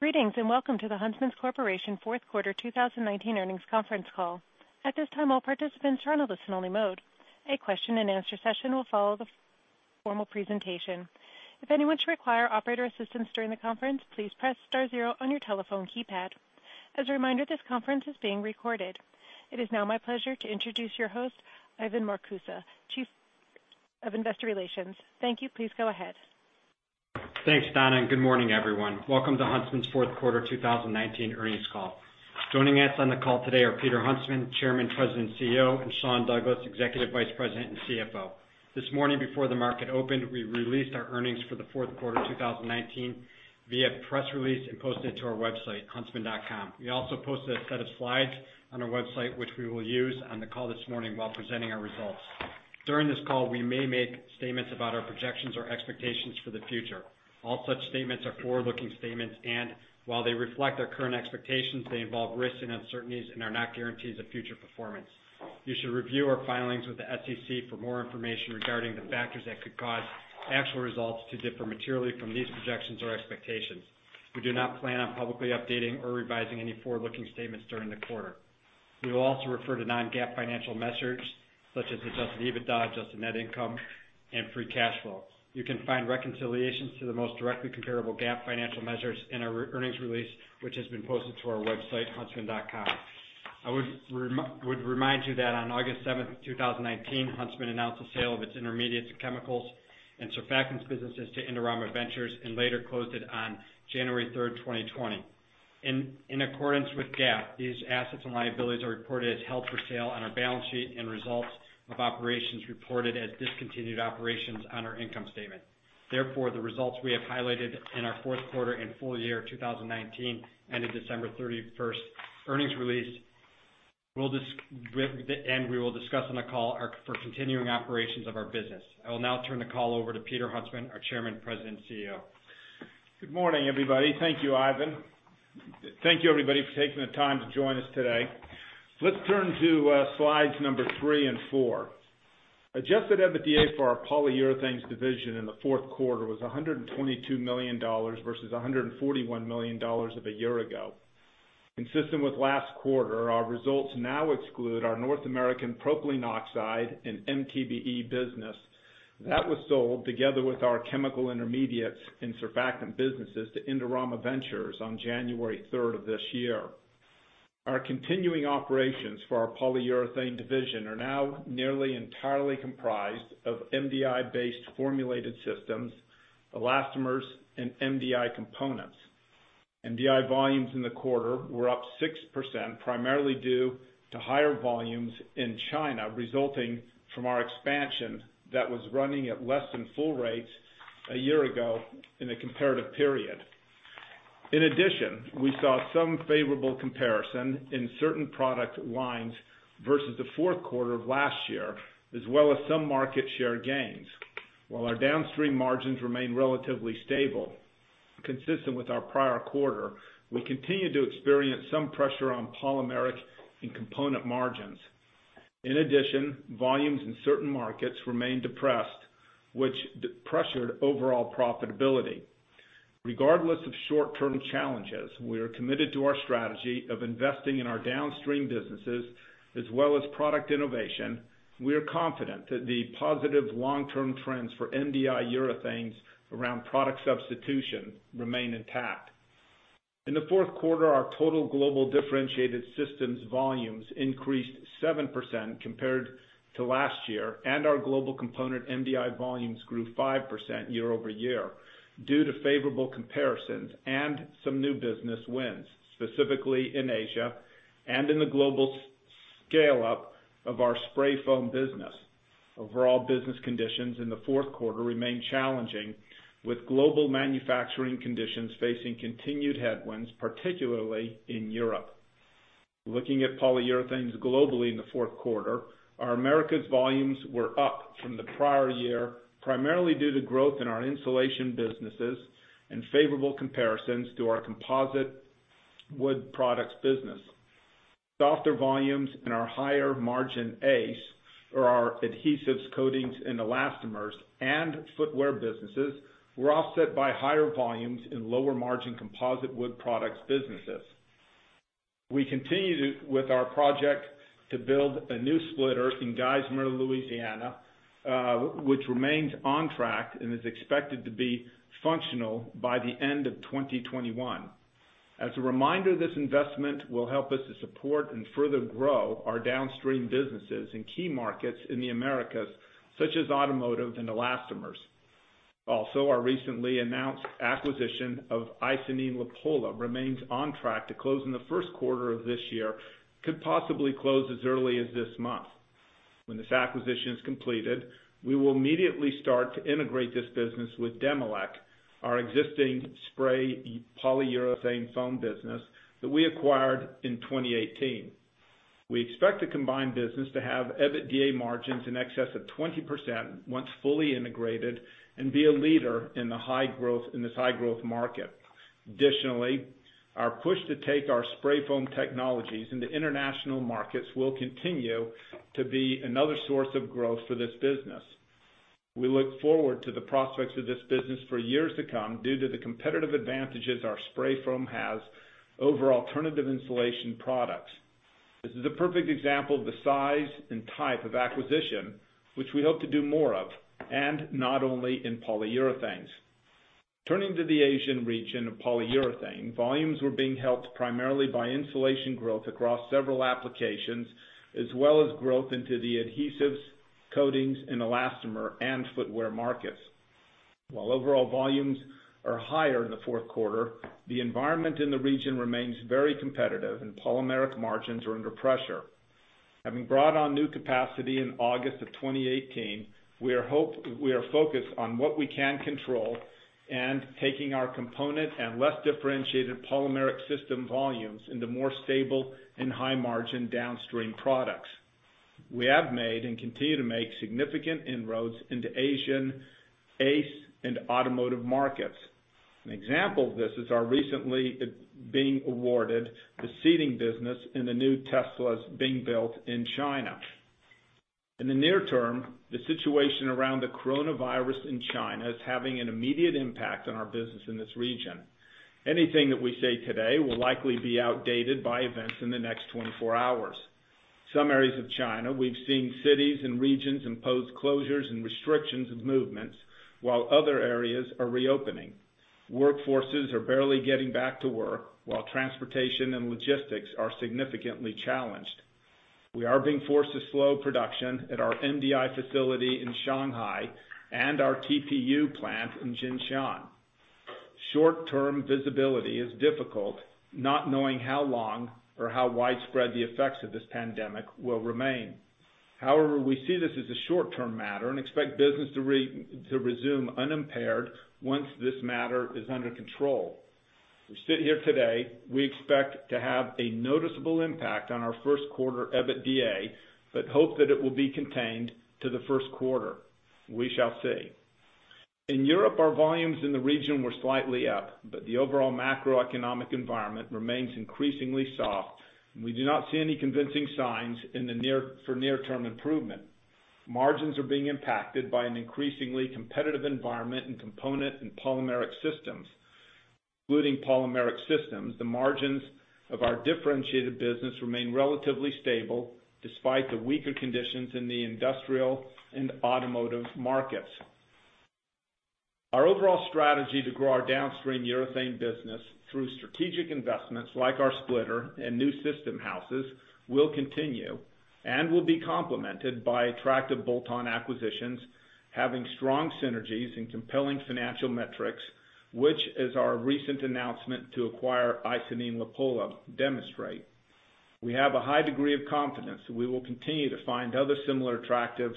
Greetings, welcome to the Huntsman Corp. Fourth quarter 2019 earnings conference call. At this time, all participants are on a listen-only mode. A question-and-answer session will follow the formal presentation. If anyone should require operator assistance during the conference, please press star zero on your telephone keypad. As a reminder, this conference is being recorded. It is now my pleasure to introduce your host, Ivan Marcuse, Chief of Investor Relations. Thank you. Please go ahead. Thanks, Donna, and good morning, everyone. Welcome to Huntsman's fourth quarter 2019 earnings call. Joining us on the call today are Peter Huntsman, Chairman, President, CEO, and Sean Douglas, Executive Vice President and CFO. This morning before the market opened, we released our earnings for the fourth quarter 2019 via press release and posted it to our website, huntsman.com. We also posted a set of slides on our website, which we will use on the call this morning while presenting our results. During this call, we may make statements about our projections or expectations for the future. All such statements are forward-looking statements, and while they reflect our current expectations, they involve risks and uncertainties and are not guarantees of future performance. You should review our filings with the SEC for more information regarding the factors that could cause actual results to differ materially from these projections or expectations. We do not plan on publicly updating or revising any forward-looking statements during the quarter. We will also refer to non-GAAP financial measures such as adjusted EBITDA, adjusted net income, and free cash flow. You can find reconciliations to the most directly comparable GAAP financial measures in our earnings release, which has been posted to our website, huntsman.com. I would remind you that on August 7th, 2019, Huntsman announced the sale of its intermediates chemicals and surfactants businesses to Indorama Ventures, and later closed it on January 3rd, 2020. In accordance with GAAP, these assets and liabilities are reported as held for sale on our balance sheet and results of operations reported as discontinued operations on our income statement. The results we have highlighted in our fourth quarter and full year 2019 ended December 31st earnings release, and we will discuss on the call are for continuing operations of our business. I will now turn the call over to Peter Huntsman, our Chairman, President, CEO. Good morning, everybody. Thank you, Ivan. Thank you, everybody, for taking the time to join us today. Let's turn to slides number three and four. Adjusted EBITDA for our Polyurethanes division in the fourth quarter was $122 million versus $141 million of a year ago. Consistent with last quarter, our results now exclude our North American propylene oxide and MTBE business. That was sold together with our chemical intermediates and surfactant businesses to Indorama Ventures on January 3rd of this year. Our continuing operations for our Polyurethanes division are now nearly entirely comprised of MDI-based formulated systems, elastomers, and MDI components. MDI volumes in the quarter were up 6%, primarily due to higher volumes in China, resulting from our expansion that was running at less than full rates a year ago in the comparative period. In addition, we saw some favorable comparison in certain product lines versus the fourth quarter of last year, as well as some market share gains. While our downstream margins remain relatively stable, consistent with our prior quarter, we continue to experience some pressure on polymeric and component margins. In addition, volumes in certain markets remain depressed, which pressured overall profitability. Regardless of short-term challenges, we are committed to our strategy of investing in our downstream businesses as well as product innovation. We are confident that the positive long-term trends for MDI urethanes around product substitution remain intact. In the fourth quarter, our total global differentiated systems volumes increased 7% compared to last year, and our global component MDI volumes grew 5% year-over-year due to favorable comparisons and some new business wins, specifically in Asia and in the global scale-up of our spray foam business. Overall business conditions in the fourth quarter remain challenging, with global manufacturing conditions facing continued headwinds, particularly in Europe. Looking at Polyurethanes globally in the fourth quarter, our Americas volumes were up from the prior year, primarily due to growth in our insulation businesses and favorable comparisons to our composite wood products business. Softer volumes in our higher margin ACE or our adhesives, coatings, and elastomers and footwear businesses were offset by higher volumes in lower margin composite wood products businesses. We continue with our project to build a new splitter in Geismar, Louisiana, which remains on track and is expected to be functional by the end of 2021. As a reminder, this investment will help us to support and further grow our downstream businesses in key markets in the Americas, such as automotive and elastomers. Also, our recently announced acquisition of Icynene-Lapolla remains on track to close in the first quarter of this year, could possibly close as early as this month. When this acquisition is completed, we will immediately start to integrate this business with Demilec, our existing spray polyurethane foam business that we acquired in 2018. We expect the combined business to have EBITDA margins in excess of 20% once fully integrated and be a leader in this high-growth market. Our push to take our spray foam technologies into international markets will continue to be another source of growth for this business. We look forward to the prospects of this business for years to come due to the competitive advantages our spray foam has over alternative insulation products. This is a perfect example of the size and type of acquisition which we hope to do more of, and not only in Polyurethanes. Turning to the Asian region of polyurethane, volumes were being helped primarily by insulation growth across several applications as well as growth into the adhesives, coatings, and elastomer and footwear markets. While overall volumes are higher in the fourth quarter, the environment in the region remains very competitive and polymeric margins are under pressure. Having brought on new capacity in August of 2018, we are focused on what we can control and taking our component and less differentiated polymeric system volumes into more stable and high-margin downstream products. We have made, and continue to make, significant inroads into Asian ACE and automotive markets. An example of this is our recently being awarded the seating business in the new Teslas being built in China. In the near term, the situation around the coronavirus in China is having an immediate impact on our business in this region. Anything that we say today will likely be outdated by events in the next 24 hours. Some areas of China, we've seen cities and regions impose closures and restrictions of movements while other areas are reopening. Workforces are barely getting back to work while transportation and logistics are significantly challenged. We are being forced to slow production at our MDI facility in Shanghai and our TPU plant in Jinshan. Short-term visibility is difficult, not knowing how long or how widespread the effects of this pandemic will remain. However, we see this as a short-term matter and expect business to resume unimpaired once this matter is under control. We sit here today, we expect to have a noticeable impact on our first quarter EBITDA, but hope that it will be contained to the first quarter. We shall see. In Europe, our volumes in the region were slightly up, but the overall macroeconomic environment remains increasingly soft, and we do not see any convincing signs for near-term improvement. Margins are being impacted by an increasingly competitive environment in component and polymeric systems. Excluding polymeric systems, the margins of our differentiated business remain relatively stable despite the weaker conditions in the industrial and automotive markets. Our overall strategy to grow our downstream urethane business through strategic investments, like our splitter and new system houses, will continue and will be complemented by attractive bolt-on acquisitions having strong synergies and compelling financial metrics, which as our recent announcement to acquire Icynene-Lapolla demonstrate. We have a high degree of confidence that we will continue to find other similar attractive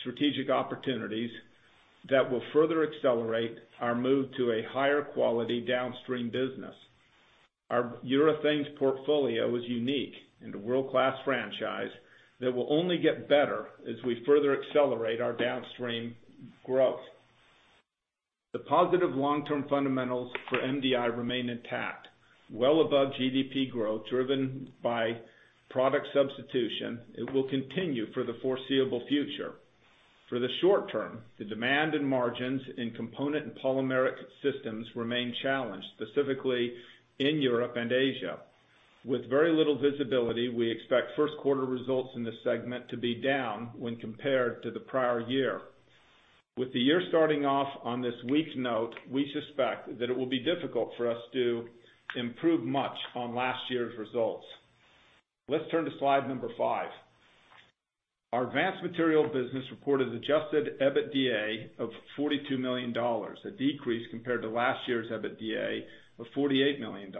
strategic opportunities that will further accelerate our move to a higher quality downstream business. Our Urethanes portfolio is unique and a world-class franchise that will only get better as we further accelerate our downstream growth. The positive long-term fundamentals for MDI remain intact, well above GDP growth, driven by product substitution. It will continue for the foreseeable future. For the short term, the demand and margins in component and polymeric systems remain challenged, specifically in Europe and Asia. With very little visibility, we expect first-quarter results in this segment to be down when compared to the prior year. With the year starting off on this weak note, we suspect that it will be difficult for us to improve much on last year's results. Let's turn to slide number five. Our Advanced Materials business reported adjusted EBITDA of $42 million, a decrease compared to last year's EBITDA of $48 million.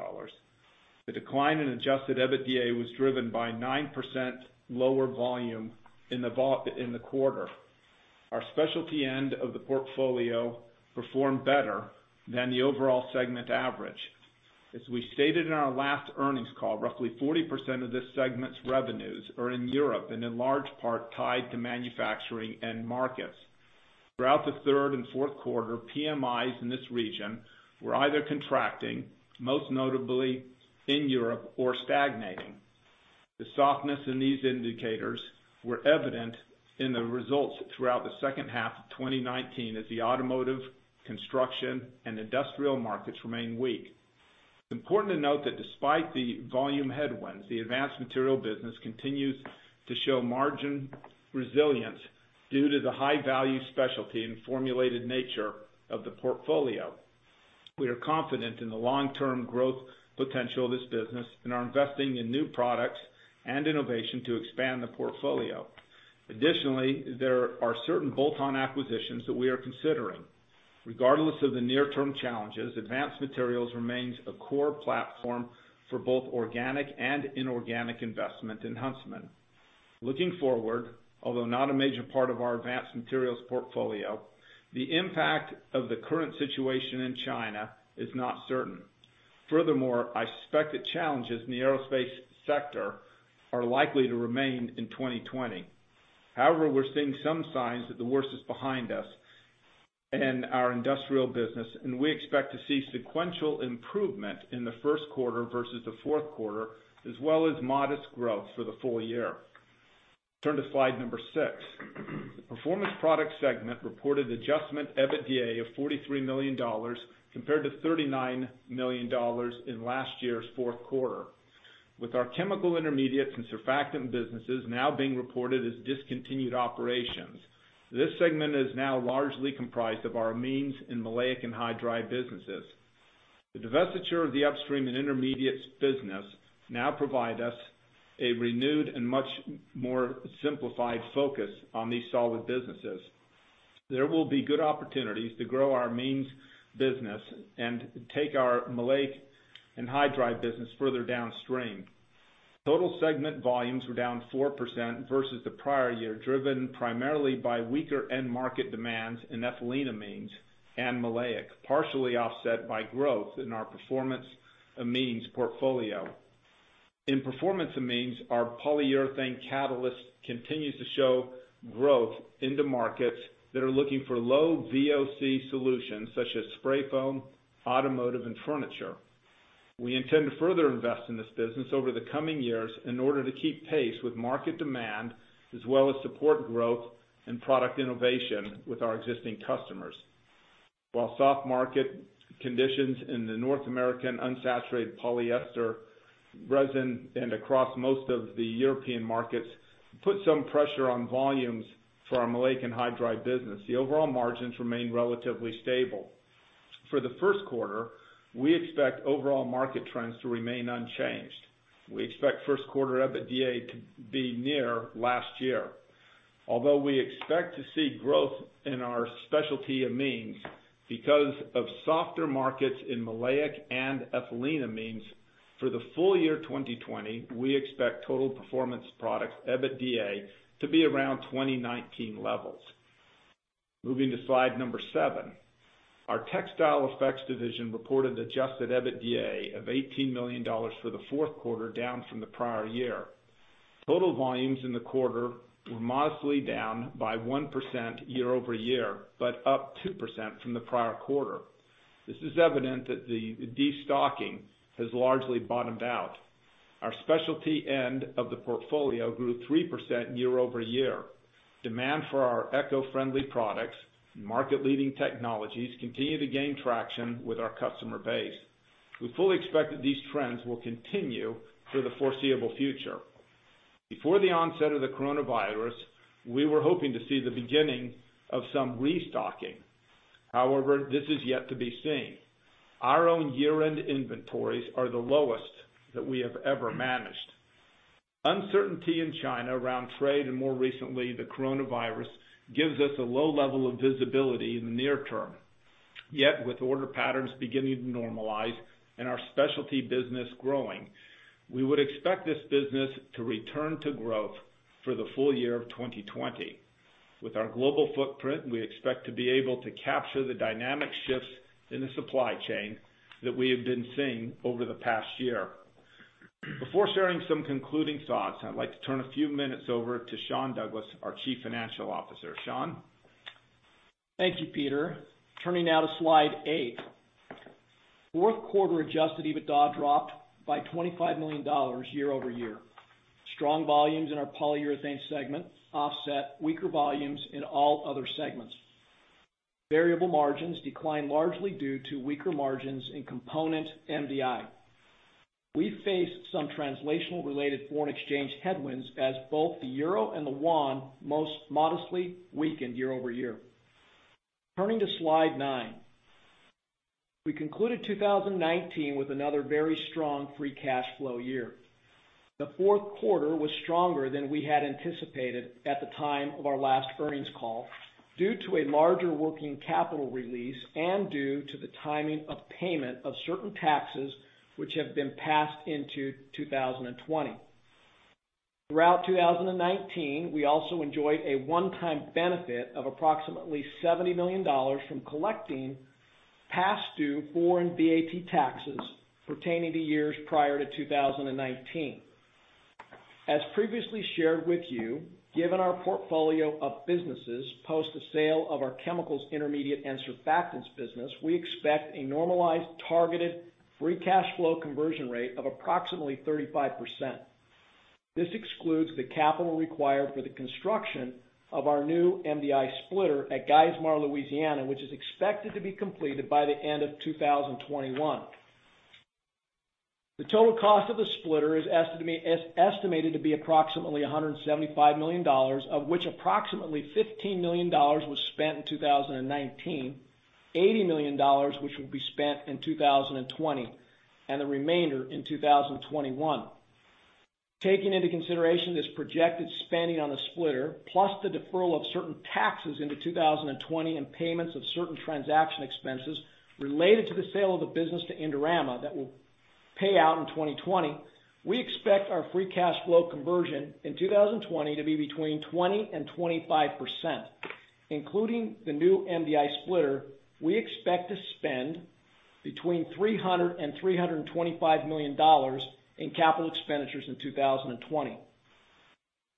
The decline in adjusted EBITDA was driven by 9% lower volume in the quarter. Our specialty end of the portfolio performed better than the overall segment average. As we stated in our last earnings call, roughly 40% of this segment's revenues are in Europe and in large part tied to manufacturing end markets. Throughout the third and fourth quarter, PMIs in this region were either contracting, most notably in Europe, or stagnating. The softness in these indicators were evident in the results throughout the second half of 2019 as the automotive, construction, and industrial markets remained weak. It's important to note that despite the volume headwinds, the Advanced Materials business continues to show margin resilience due to the high-value specialty and formulated nature of the portfolio. We are confident in the long-term growth potential of this business and are investing in new products and innovation to expand the portfolio. Additionally, there are certain bolt-on acquisitions that we are considering. Regardless of the near-term challenges, Advanced Materials remains a core platform for both organic and inorganic investment in Huntsman. Looking forward, although not a major part of our Advanced Materials portfolio, the impact of the current situation in China is not certain. I suspect the challenges in the aerospace sector are likely to remain in 2020. We're seeing some signs that the worst is behind us. In our industrial business, and we expect to see sequential improvement in the first quarter versus the fourth quarter, as well as modest growth for the full year. Turn to slide number six. The Performance Products segment reported adjusted EBITDA of $43 million compared to $39 million in last year's fourth quarter. With our chemical intermediates and surfactant businesses now being reported as discontinued operations, this segment is now largely comprised of our amines and maleic anhydride businesses. The divestiture of the upstream and intermediates business now provides us a renewed and much more simplified focus on these solid businesses. There will be good opportunities to grow our amines business and take our maleic anhydride business further downstream. Total segment volumes were down 4% versus the prior year, driven primarily by weaker end market demands in ethylenediamine and maleic, partially offset by growth in our performance amines portfolio. In performance amines, our polyurethane catalyst continues to show growth in the markets that are looking for low VOC solutions such as spray foam, automotive, and furniture. We intend to further invest in this business over the coming years in order to keep pace with market demand, as well as support growth and product innovation with our existing customers. While soft market conditions in the North American unsaturated polyester resin and across most of the European markets put some pressure on volumes for our maleic anhydride business, the overall margins remain relatively stable. For the first quarter, we expect overall market trends to remain unchanged. We expect first quarter EBITDA to be near last year. Although we expect to see growth in our specialty amines because of softer markets in maleic and ethylenediamine, for the full year 2020, we expect total Performance Products EBITDA to be around 2019 levels. Moving to slide number seven. Our Textile Effects division reported adjusted EBITDA of $18 million for the fourth quarter, down from the prior year. Total volumes in the quarter were modestly down by 1% year-over-year, but up 2% from the prior quarter. This is evident that the de-stocking has largely bottomed out. Our specialty end of the portfolio grew 3% year-over-year. Demand for our eco-friendly products and market-leading technologies continue to gain traction with our customer base. We fully expect that these trends will continue for the foreseeable future. Before the onset of the coronavirus, we were hoping to see the beginning of some restocking. However, this is yet to be seen. Our own year-end inventories are the lowest that we have ever managed. Uncertainty in China around trade and more recently, the coronavirus, gives us a low level of visibility in the near term. With order patterns beginning to normalize and our specialty business growing, we would expect this business to return to growth for the full year of 2020. With our global footprint, we expect to be able to capture the dynamic shifts in the supply chain that we have been seeing over the past year. Before sharing some concluding thoughts, I'd like to turn a few minutes over to Sean Douglas, our Chief Financial Officer. Sean? Thank you, Peter. Turning now to slide eight. Fourth quarter adjusted EBITDA dropped by $25 million year-over-year. Strong volumes in our Polyurethane segment offset weaker volumes in all other segments. Variable margins declined largely due to weaker margins in component MDI. We faced some translational related foreign exchange headwinds as both the euro and the won most modestly weakened year-over-year. Turning to slide nine. We concluded 2019 with another very strong free cash flow year. The fourth quarter was stronger than we had anticipated at the time of our last earnings call due to a larger working capital release and due to the timing of payment of certain taxes which have been passed into 2020. Throughout 2019, we also enjoyed a one-time benefit of approximately $70 million from collecting past due foreign VAT taxes pertaining to years prior to 2019. As previously shared with you, given our portfolio of businesses post the sale of our Chemicals, Intermediates, and Surfactants business, we expect a normalized targeted free cash flow conversion rate of approximately 35%. This excludes the capital required for the construction of our new MDI splitter at Geismar, Louisiana, which is expected to be completed by the end of 2021. The total cost of the splitter is estimated to be approximately $175 million, of which approximately $15 million was spent in 2019, $80 million which will be spent in 2020, and the remainder in 2021. Taking into consideration this projected spending on the splitter, plus the deferral of certain taxes into 2020 and payments of certain transaction expenses related to the sale of the business to Indorama that will pay out in 2020, we expect our free cash flow conversion in 2020 to be between 20% and 25%. Including the new MDI splitter, we expect to spend between $300 million and $325 million in capital expenditures in 2020.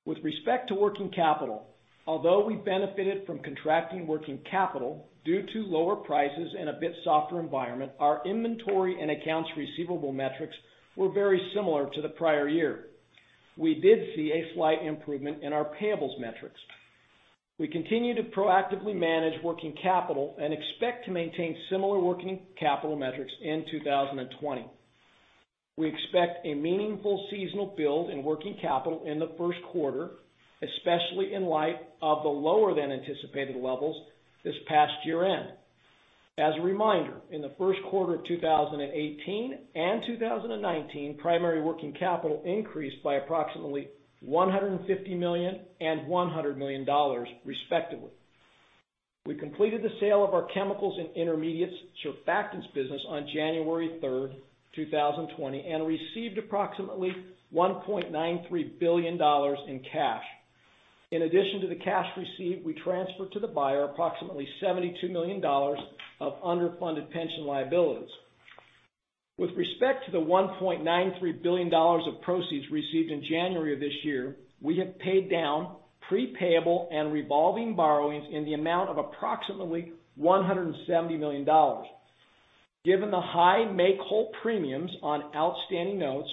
With respect to working capital, although we benefited from contracting working capital due to lower prices and a bit softer environment, our inventory and accounts receivable metrics were very similar to the prior year. We did see a slight improvement in our payables metrics. We continue to proactively manage working capital and expect to maintain similar working capital metrics in 2020. We expect a meaningful seasonal build in working capital in the first quarter, especially in light of the lower than anticipated levels this past year end. As a reminder, in the first quarter of 2018 and 2019, primary working capital increased by approximately $150 million and $100 million respectively. We completed the sale of our chemicals and intermediates surfactants business on January 3rd, 2020, and received approximately $1.93 billion in cash. In addition to the cash received, we transferred to the buyer approximately $72 million of underfunded pension liabilities. With respect to the $1.93 billion of proceeds received in January of this year, we have paid down pre-payable and revolving borrowings in the amount of approximately $170 million. Given the high make-whole premiums on outstanding notes,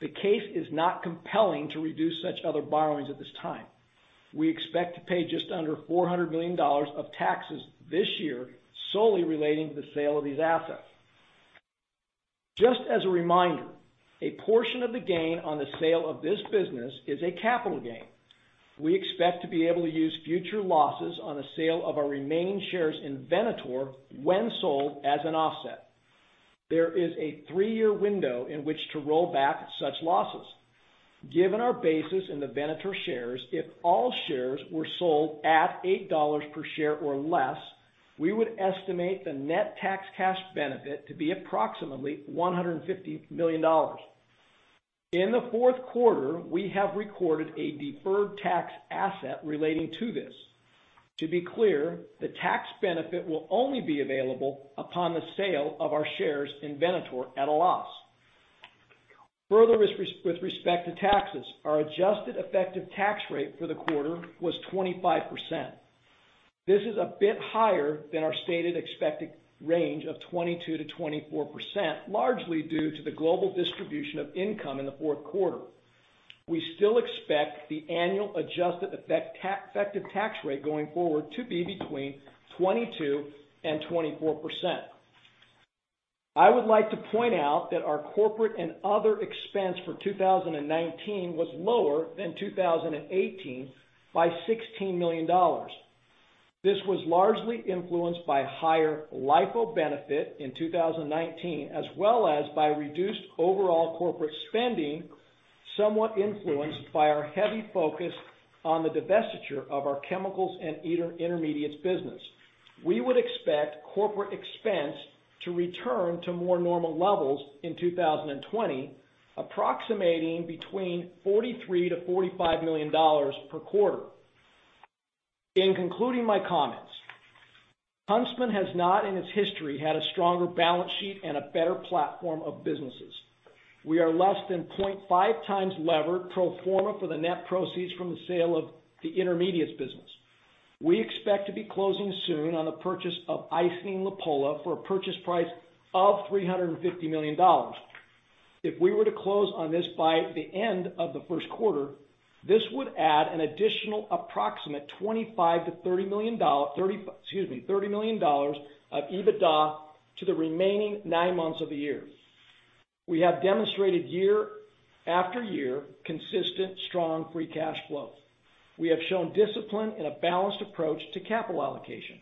the case is not compelling to reduce such other borrowings at this time. We expect to pay just under $400 million of taxes this year solely relating to the sale of these assets. Just as a reminder, a portion of the gain on the sale of this business is a capital gain. We expect to be able to use future losses on the sale of our remaining shares in Venator, when sold, as an offset. There is a three-year window in which to roll back such losses. Given our basis in the Venator shares, if all shares were sold at $8 per share or less, we would estimate the net tax cash benefit to be approximately $150 million. In the fourth quarter, we have recorded a deferred tax asset relating to this. To be clear, the tax benefit will only be available upon the sale of our shares in Venator at a loss. Further, with respect to taxes, our adjusted effective tax rate for the quarter was 25%. This is a bit higher than our stated expected range of 22%-24%, largely due to the global distribution of income in the fourth quarter. We still expect the annual adjusted effective tax rate going forward to be between 22% and 24%. I would like to point out that our corporate and other expense for 2019 was lower than 2018 by $16 million. This was largely influenced by higher LIFO benefit in 2019, as well as by reduced overall corporate spending, somewhat influenced by our heavy focus on the divestiture of our chemicals and intermediates business. We would expect corporate expense to return to more normal levels in 2020, approximating between $43 million-$45 million per quarter. In concluding my comments, Huntsman has not in its history had a stronger balance sheet and a better platform of businesses. We are less than 0.5 times levered pro forma for the net proceeds from the sale of the intermediates business. We expect to be closing soon on the purchase of Icynene-Lapolla for a purchase price of $350 million. If we were to close on this by the end of the first quarter, this would add an additional approximate $25 million-$30 million of EBITDA to the remaining nine months of the year. We have demonstrated year after year consistent, strong free cash flow. We have shown discipline and a balanced approach to capital allocation.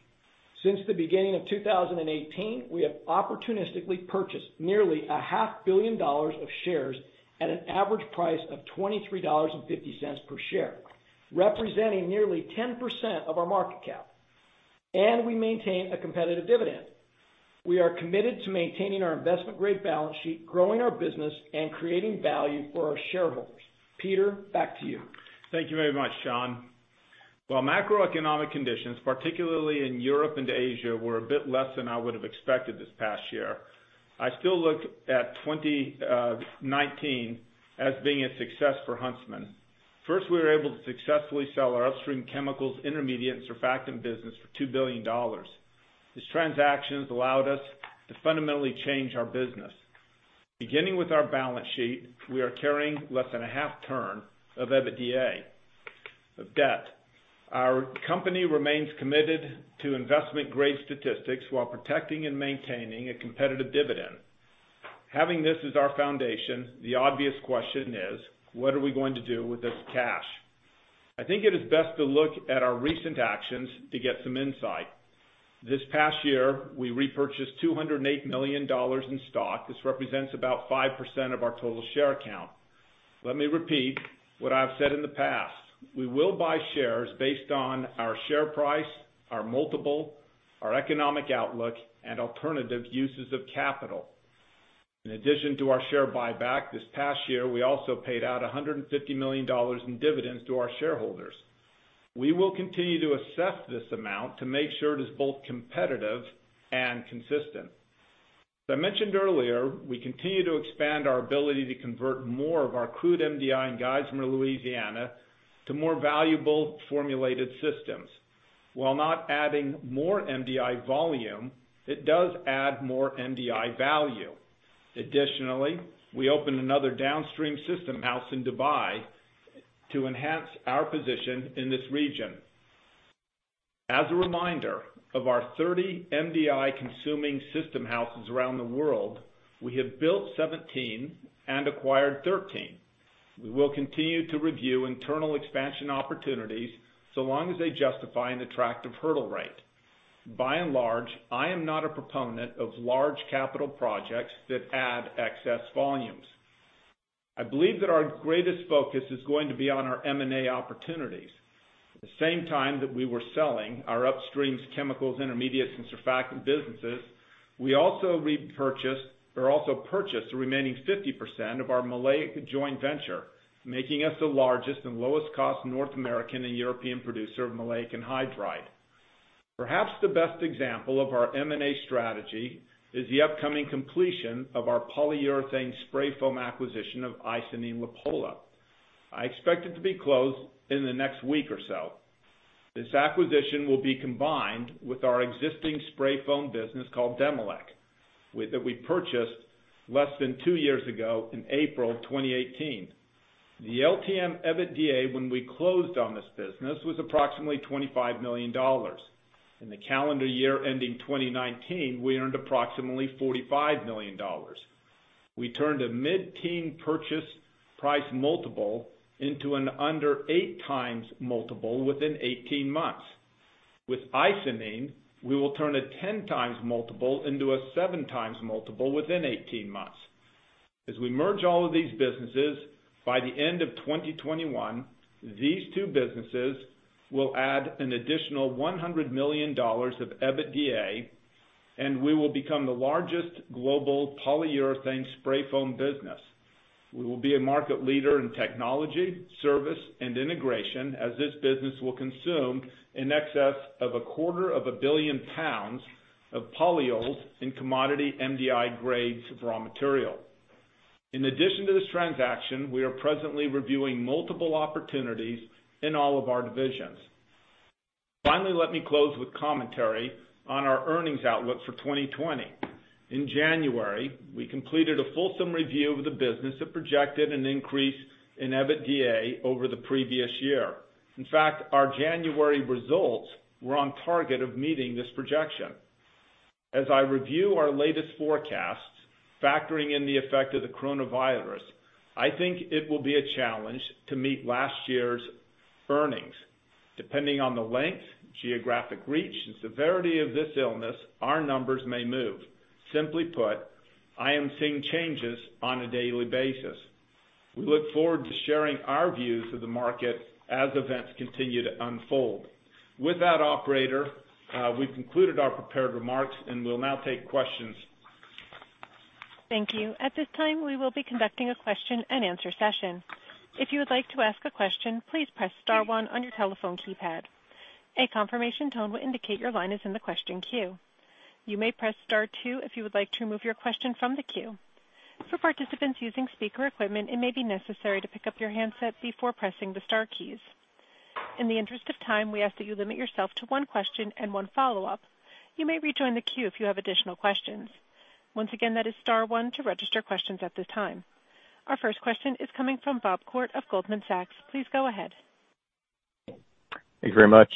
Since the beginning of 2018, we have opportunistically purchased nearly a half billion dollars of shares at an average price of $23.50 per share, representing nearly 10% of our market cap, and we maintain a competitive dividend. We are committed to maintaining our investment-grade balance sheet, growing our business, and creating value for our shareholders. Peter, back to you. Thank you very much, Sean. While macroeconomic conditions, particularly in Europe and Asia, were a bit less than I would have expected this past year, I still look at 2019 as being a success for Huntsman. First, we were able to successfully sell our upstream chemicals, intermediate, and surfactant business for $2 billion. This transaction has allowed us to fundamentally change our business. Beginning with our balance sheet, we are carrying less than a half turn of EBITDA of debt. Our company remains committed to investment grade statistics while protecting and maintaining a competitive dividend. Having this as our foundation, the obvious question is: What are we going to do with this cash? I think it is best to look at our recent actions to get some insight. This past year, we repurchased $208 million in stock. This represents about 5% of our total share count. Let me repeat what I've said in the past. We will buy shares based on our share price, our multiple, our economic outlook, and alternative uses of capital. In addition to our share buyback this past year, we also paid out $150 million in dividends to our shareholders. We will continue to assess this amount to make sure it is both competitive and consistent. As I mentioned earlier, we continue to expand our ability to convert more of our crude MDI in Geismar, Louisiana to more valuable formulated systems. While not adding more MDI volume, it does add more MDI value. Additionally, we opened another downstream system house in Dubai to enhance our position in this region. As a reminder, of our 30 MDI consuming system houses around the world, we have built 17 and acquired 13. We will continue to review internal expansion opportunities, so long as they justify an attractive hurdle rate. By and large, I am not a proponent of large capital projects that add excess volumes. I believe that our greatest focus is going to be on our M&A opportunities. At the same time that we were selling our upstream chemicals, intermediates, and surfactant businesses, we also purchased the remaining 50% of our maleic joint venture, making us the largest and lowest cost North American and European producer of maleic anhydride. Perhaps the best example of our M&A strategy is the upcoming completion of our polyurethane spray foam acquisition of Icynene-Lapolla. I expect it to be closed in the next week or so. This acquisition will be combined with our existing spray foam business called Demilec that we purchased less than two years ago in April 2018. The LTM EBITDA when we closed on this business was approximately $25 million. In the calendar year ending 2019, we earned approximately $45 million. We turned a mid-teen purchase price multiple into an under eight times multiple within 18 months. With Icynene, we will turn a 10 times multiple into a seven times multiple within 18 months. As we merge all of these businesses, by the end of 2021, these two businesses will add an additional $100 million of EBITDA, and we will become the largest global polyurethane spray foam business. We will be a market leader in technology, service, and integration as this business will consume in excess of a quarter of a billion pounds of polyols in commodity MDI grades raw material. In addition to this transaction, we are presently reviewing multiple opportunities in all of our divisions. Finally, let me close with commentary on our earnings outlook for 2020. In January, we completed a fulsome review of the business that projected an increase in EBITDA over the previous year. In fact, our January results were on target of meeting this projection. As I review our latest forecasts, factoring in the effect of the coronavirus, I think it will be a challenge to meet last year's earnings. Depending on the length, geographic reach, and severity of this illness, our numbers may move. Simply put, I am seeing changes on a daily basis. We look forward to sharing our views of the market as events continue to unfold. With that, operator, we've concluded our prepared remarks and will now take questions. Thank you. At this time, we will be conducting a question and answer session. If you would like to ask a question, please press star one on your telephone keypad. A confirmation tone will indicate your line is in the question queue. You may press star two if you would like to remove your question from the queue. For participants using speaker equipment, it may be necessary to pick up your handset before pressing the star keys. In the interest of time, we ask that you limit yourself to one question and one follow-up. You may rejoin the queue if you have additional questions. Once again, that is star one to register questions at this time. Our first question is coming from Bob Koort of Goldman Sachs. Please go ahead. Thank you very much.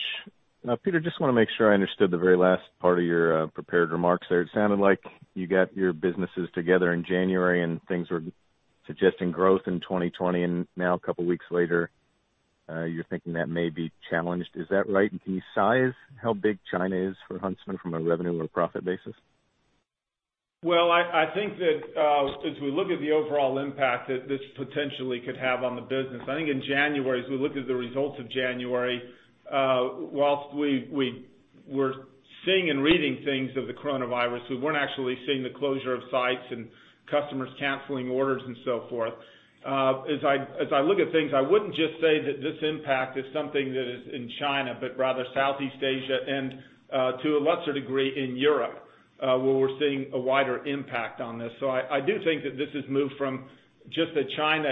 Peter, just want to make sure I understood the very last part of your prepared remarks there. It sounded like you got your businesses together in January, things were suggesting growth in 2020, now a couple of weeks later, you're thinking that may be challenged. Is that right? Can you size how big China is for Huntsman from a revenue or profit basis? I think that as we look at the overall impact that this potentially could have on the business, I think in January, as we look at the results of January, whilst we were seeing and reading things of the coronavirus, we weren't actually seeing the closure of sites and customers canceling orders and so forth. As I look at things, I wouldn't just say that this impact is something that is in China, but rather Southeast Asia and to a lesser degree in Europe where we're seeing a wider impact on this. I do think that this has moved from just a China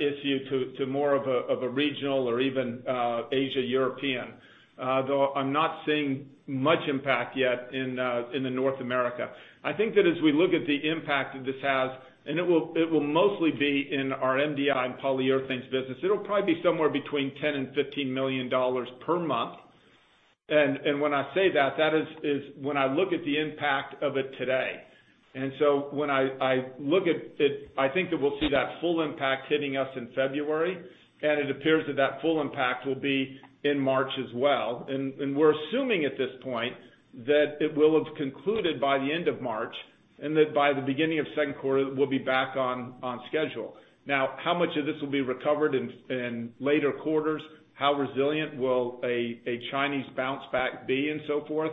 issue to more of a regional or even Asia, European. I'm not seeing much impact yet in the North America. I think that as we look at the impact that this has, it will mostly be in our MDI and Polyurethanes business. It'll probably be somewhere between $10 million and $15 million per month. When I say that is when I look at the impact of it today. When I look at it, I think that we'll see that full impact hitting us in February, and it appears that full impact will be in March as well. We're assuming at this point that it will have concluded by the end of March, and that by the beginning of second quarter, we'll be back on schedule. How much of this will be recovered in later quarters? How resilient will a Chinese bounce back be and so forth?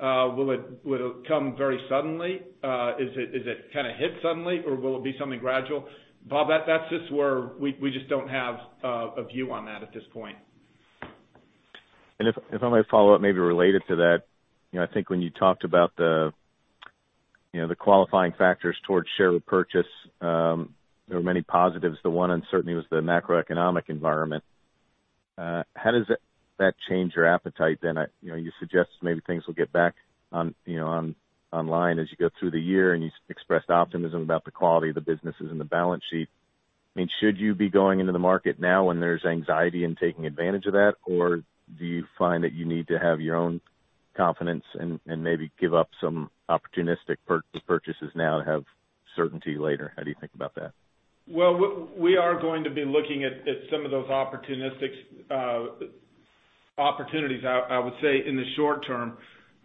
Will it come very suddenly? Is it hit suddenly, or will it be something gradual? Bob, we just don't have a view on that at this point. If I may follow up, maybe related to that. I think when you talked about the qualifying factors towards share repurchase, there were many positives. The one uncertainty was the macroeconomic environment. How does that change your appetite then? You suggest maybe things will get back online as you go through the year, and you expressed optimism about the quality of the businesses and the balance sheet. Should you be going into the market now when there's anxiety and taking advantage of that? Or do you find that you need to have your own confidence and maybe give up some opportunistic purchases now to have certainty later? How do you think about that? Well, we are going to be looking at some of those opportunistic opportunities, I would say, in the short term.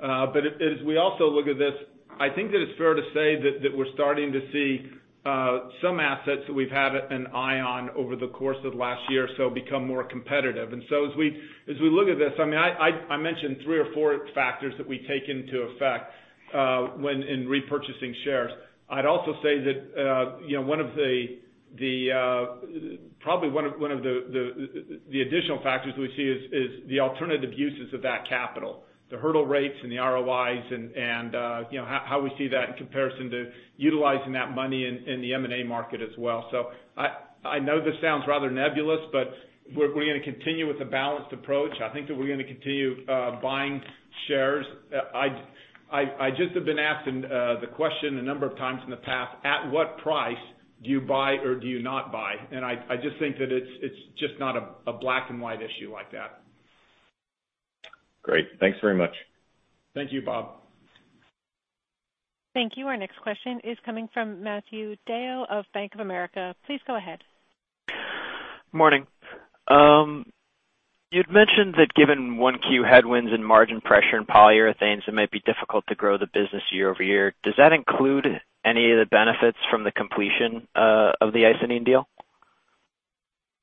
As we also look at this, I think that it's fair to say that we're starting to see some assets that we've had an eye on over the course of last year or so become more competitive. I mentioned three or four factors that we take into effect in repurchasing shares. I'd also say that probably one of the additional factors we see is the alternative uses of that capital, the hurdle rates, and the ROIs and how we see that in comparison to utilizing that money in the M&A market as well. I know this sounds rather nebulous, but we're going to continue with a balanced approach. I think that we're going to continue buying shares. I just have been asking the question a number of times in the past, at what price do you buy or do you not buy? I just think that it's just not a black and white issue like that. Great. Thanks very much. Thank you, Bob. Thank you. Our next question is coming from Matthew DeYoe of Bank of America. Please go ahead. Morning. You'd mentioned that given 1Q headwinds and margin pressure in Polyurethanes, it might be difficult to grow the business year-over-year. Does that include any of the benefits from the completion of the Icynene deal?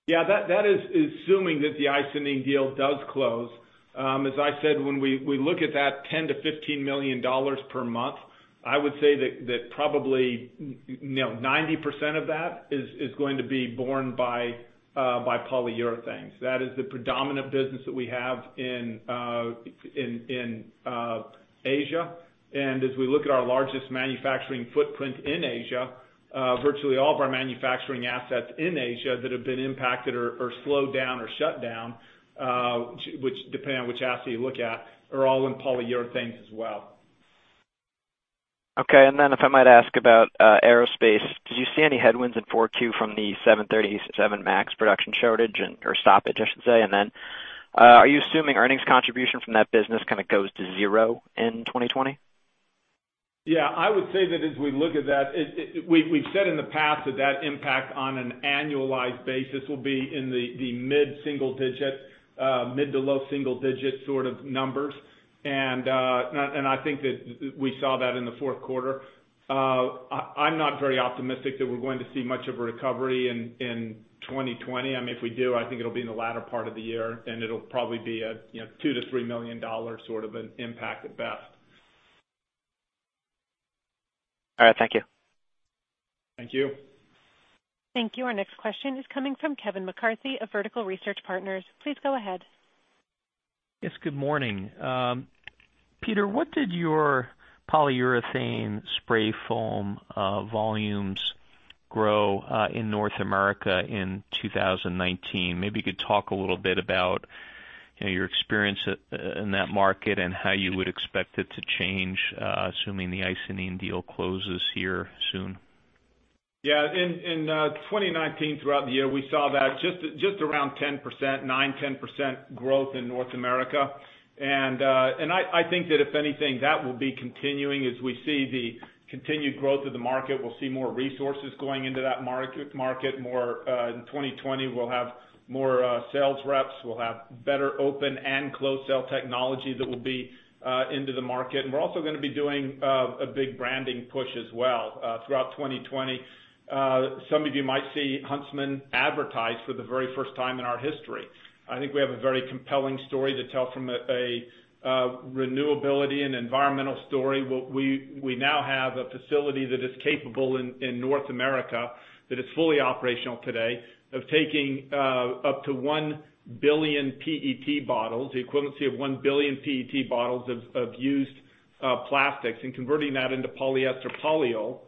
Yeah, that is assuming that the Icynene deal does close. As I said, when we look at that $10 million-$15 million per month, I would say that probably 90% of that is going to be borne by Polyurethanes. That is the predominant business that we have in Asia. As we look at our largest manufacturing footprint in Asia, virtually all of our manufacturing assets in Asia that have been impacted or slowed down or shut down, depending on which asset you look at, are all in Polyurethanes as well. Okay. If I might ask about aerospace, did you see any headwinds in 4Q from the 737 MAX production shortage or stoppage, I should say? Are you assuming earnings contribution from that business kind of goes to zero in 2020? Yeah, I would say that as we look at that, we've said in the past that impact on an annualized basis will be in the mid to low single digit sort of numbers. I think that we saw that in the fourth quarter. I'm not very optimistic that we're going to see much of a recovery in 2020. If we do, I think it'll be in the latter part of the year, and it'll probably be a $2 million-$3 million sort of an impact at best. All right. Thank you. Thank you. Thank you. Our next question is coming from Kevin McCarthy of Vertical Research Partners. Please go ahead. Yes, good morning. Peter, what did your polyurethane spray foam volumes grow in North America in 2019? You could talk a little bit about your experience in that market and how you would expect it to change, assuming the Icynene deal closes here soon. Yeah. In 2019, throughout the year, we saw that just around 9%, 10% growth in North America. I think that if anything, that will be continuing. As we see the continued growth of the market, we'll see more resources going into that market. In 2020, we'll have more sales reps, we'll have better open and closed sale technology that will be into the market. We're also going to be doing a big branding push as well throughout 2020. Some of you might see Huntsman advertised for the very first time in our history. I think we have a very compelling story to tell from a renewability and environmental story. We now have a facility that is capable in North America that is fully operational today of taking up to 1 billion PET bottles, the equivalency of 1 billion PET bottles of used plastics, and converting that into polyester polyol,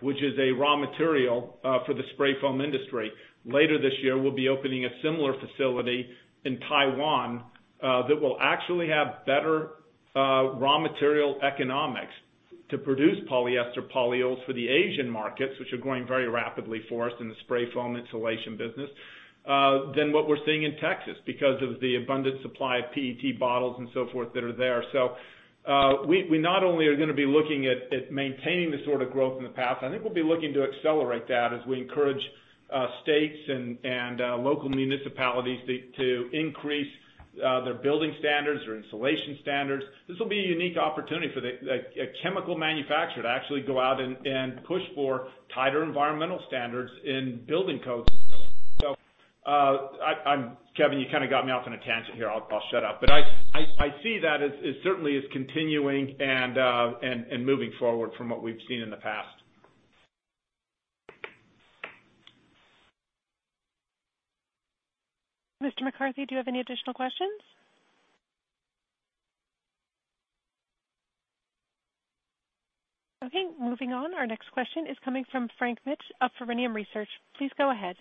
which is a raw material for the spray foam industry. Later this year, we'll be opening a similar facility in Taiwan that will actually have better raw material economics to produce polyester polyols for the Asian markets, which are growing very rapidly for us in the spray foam insulation business, than what we're seeing in Texas because of the abundant supply of PET bottles and so forth that are there. We not only are going to be looking at maintaining the sort of growth in the past, I think we'll be looking to accelerate that as we encourage states and local municipalities to increase their building standards, their insulation standards. This will be a unique opportunity for a chemical manufacturer to actually go out and push for tighter environmental standards in building codes as well. Kevin, you kind of got me off on a tangent here. I'll shut up. I see that as certainly as continuing and moving forward from what we've seen in the past. Mr. McCarthy, do you have any additional questions? Okay, moving on. Our next question is coming from Frank Mitsch of Fermium Research. Please go ahead.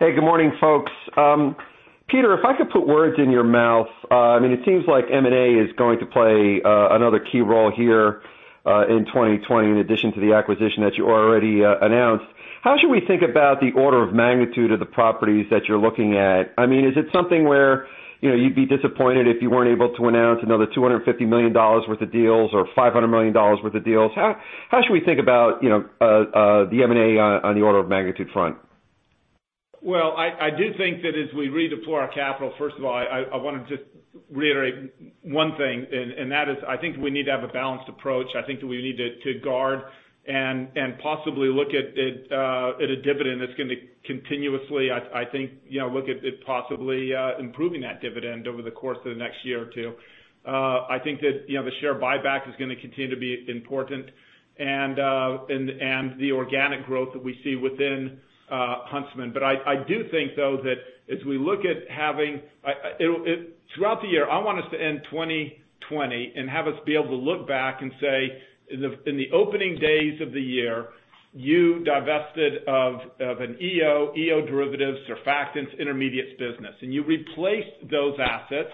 Hey, good morning, folks. Peter, if I could put words in your mouth, it seems like M&A is going to play another key role here in 2020, in addition to the acquisition that you already announced. How should we think about the order of magnitude of the properties that you're looking at? Is it something where you'd be disappointed if you weren't able to announce another $250 million worth of deals or $500 million worth of deals? How should we think about the M&A on the order of magnitude front? Well, I do think that as we redeploy our capital, first of all, I want to just reiterate one thing, and that is, I think we need to have a balanced approach. I think that we need to guard and possibly look at a dividend that's going to continuously, I think, look at possibly improving that dividend over the course of the next year or two. I think that the share buyback is going to continue to be important, and the organic growth that we see within Huntsman. I do think, though, that as we look at having. Throughout the year, I want us to end 2020 and have us be able to look back and say, "In the opening days of the year, you divested of an EO derivatives, surfactants, intermediates business, and you replaced those assets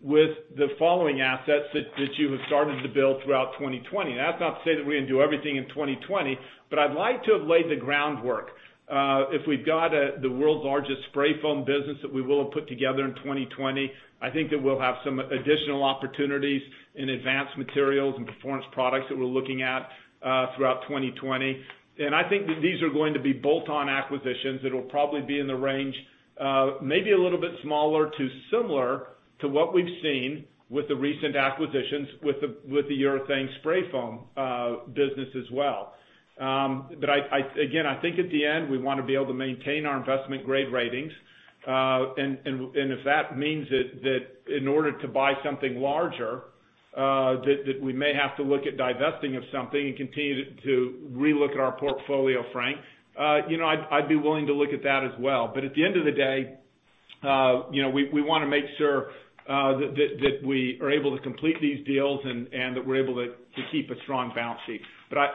with the following assets that you have started to build throughout 2020." That's not to say that we're going to do everything in 2020, but I'd like to have laid the groundwork. If we've got the world's largest spray foam business that we will have put together in 2020, I think that we'll have some additional opportunities in Advanced Materials and Performance Products that we're looking at throughout 2020. I think that these are going to be bolt-on acquisitions, that'll probably be in the range, maybe a little bit smaller to similar to what we've seen with the recent acquisitions with the urethane spray foam business as well. Again, I think at the end, we want to be able to maintain our investment-grade ratings. If that means that in order to buy something larger, that we may have to look at divesting of something and continue to re-look at our portfolio, Frank, I'd be willing to look at that as well. At the end of the day, we want to make sure that we are able to complete these deals and that we're able to keep a strong balance sheet.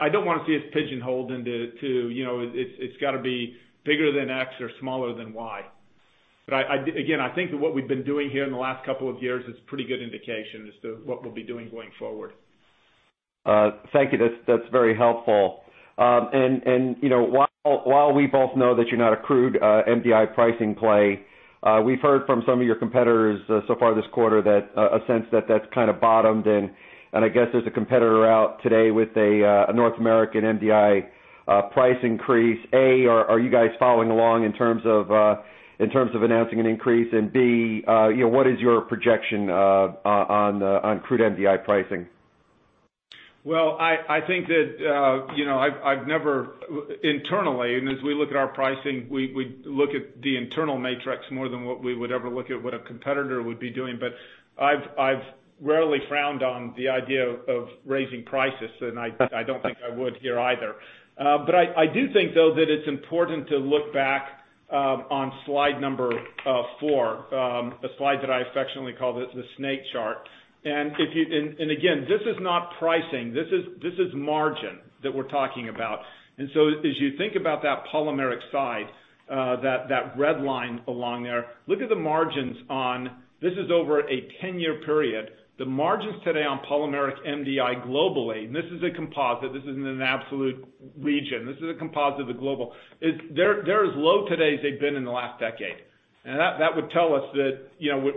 I don't want to see us pigeonholed into it's got to be bigger than X or smaller than Y. Again, I think that what we've been doing here in the last couple of years is a pretty good indication as to what we'll be doing going forward. Thank you. That's very helpful. While we both know that you're not a crude MDI pricing play, we've heard from some of your competitors so far this quarter a sense that that's kind of bottomed, and I guess there's a competitor out today with a North American MDI price increase. A, are you guys following along in terms of announcing an increase? B, what is your projection on crude MDI pricing? Well, I think that I've never internally, and as we look at our pricing, we look at the internal matrix more than what we would ever look at what a competitor would be doing. I've rarely frowned on the idea of raising prices, and I don't think I would here either. I do think, though, that it's important to look back on slide number four, a slide that I affectionately call the snake chart. Again, this is not pricing. This is margin that we're talking about. As you think about that polymeric side, that red line along there, look at the margins on, this is over a 10-year period. The margins today on polymeric MDI globally, and this is a composite. This isn't an absolute region. This is a composite of the global. They're as low today as they've been in the last decade. That would tell us that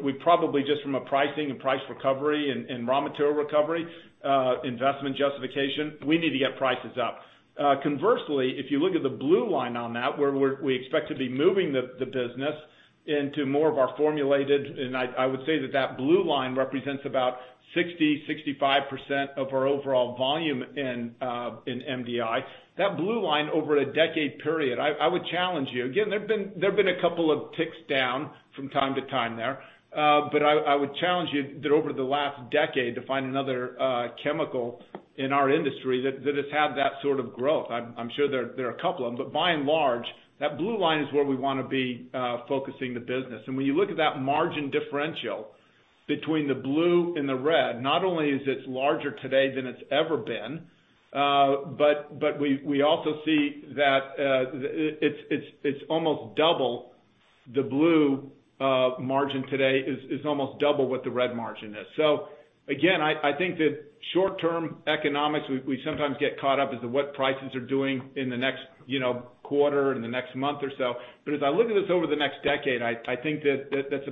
we probably just from a pricing and price recovery and raw material recovery, investment justification, we need to get prices up. Conversely, if you look at the blue line on that, where we expect to be moving the business into more of our formulated, I would say that that blue line represents about 60%-65% of our overall volume in MDI. That blue line over a decade period, I would challenge you. Again, there've been a couple of ticks down from time to time there. I would challenge you that over the last decade to find another chemical in our industry that has had that sort of growth. I'm sure there are a couple of them. By and large, that blue line is where we want to be focusing the business. When you look at that margin differential between the blue and the red, not only is it larger today than it's ever been, but we also see that it's almost double the blue margin today is almost double what the red margin is. Again, I think that short-term economics, we sometimes get caught up as to what prices are doing in the next quarter, in the next month or so. As I look at this over the next decade, I think that's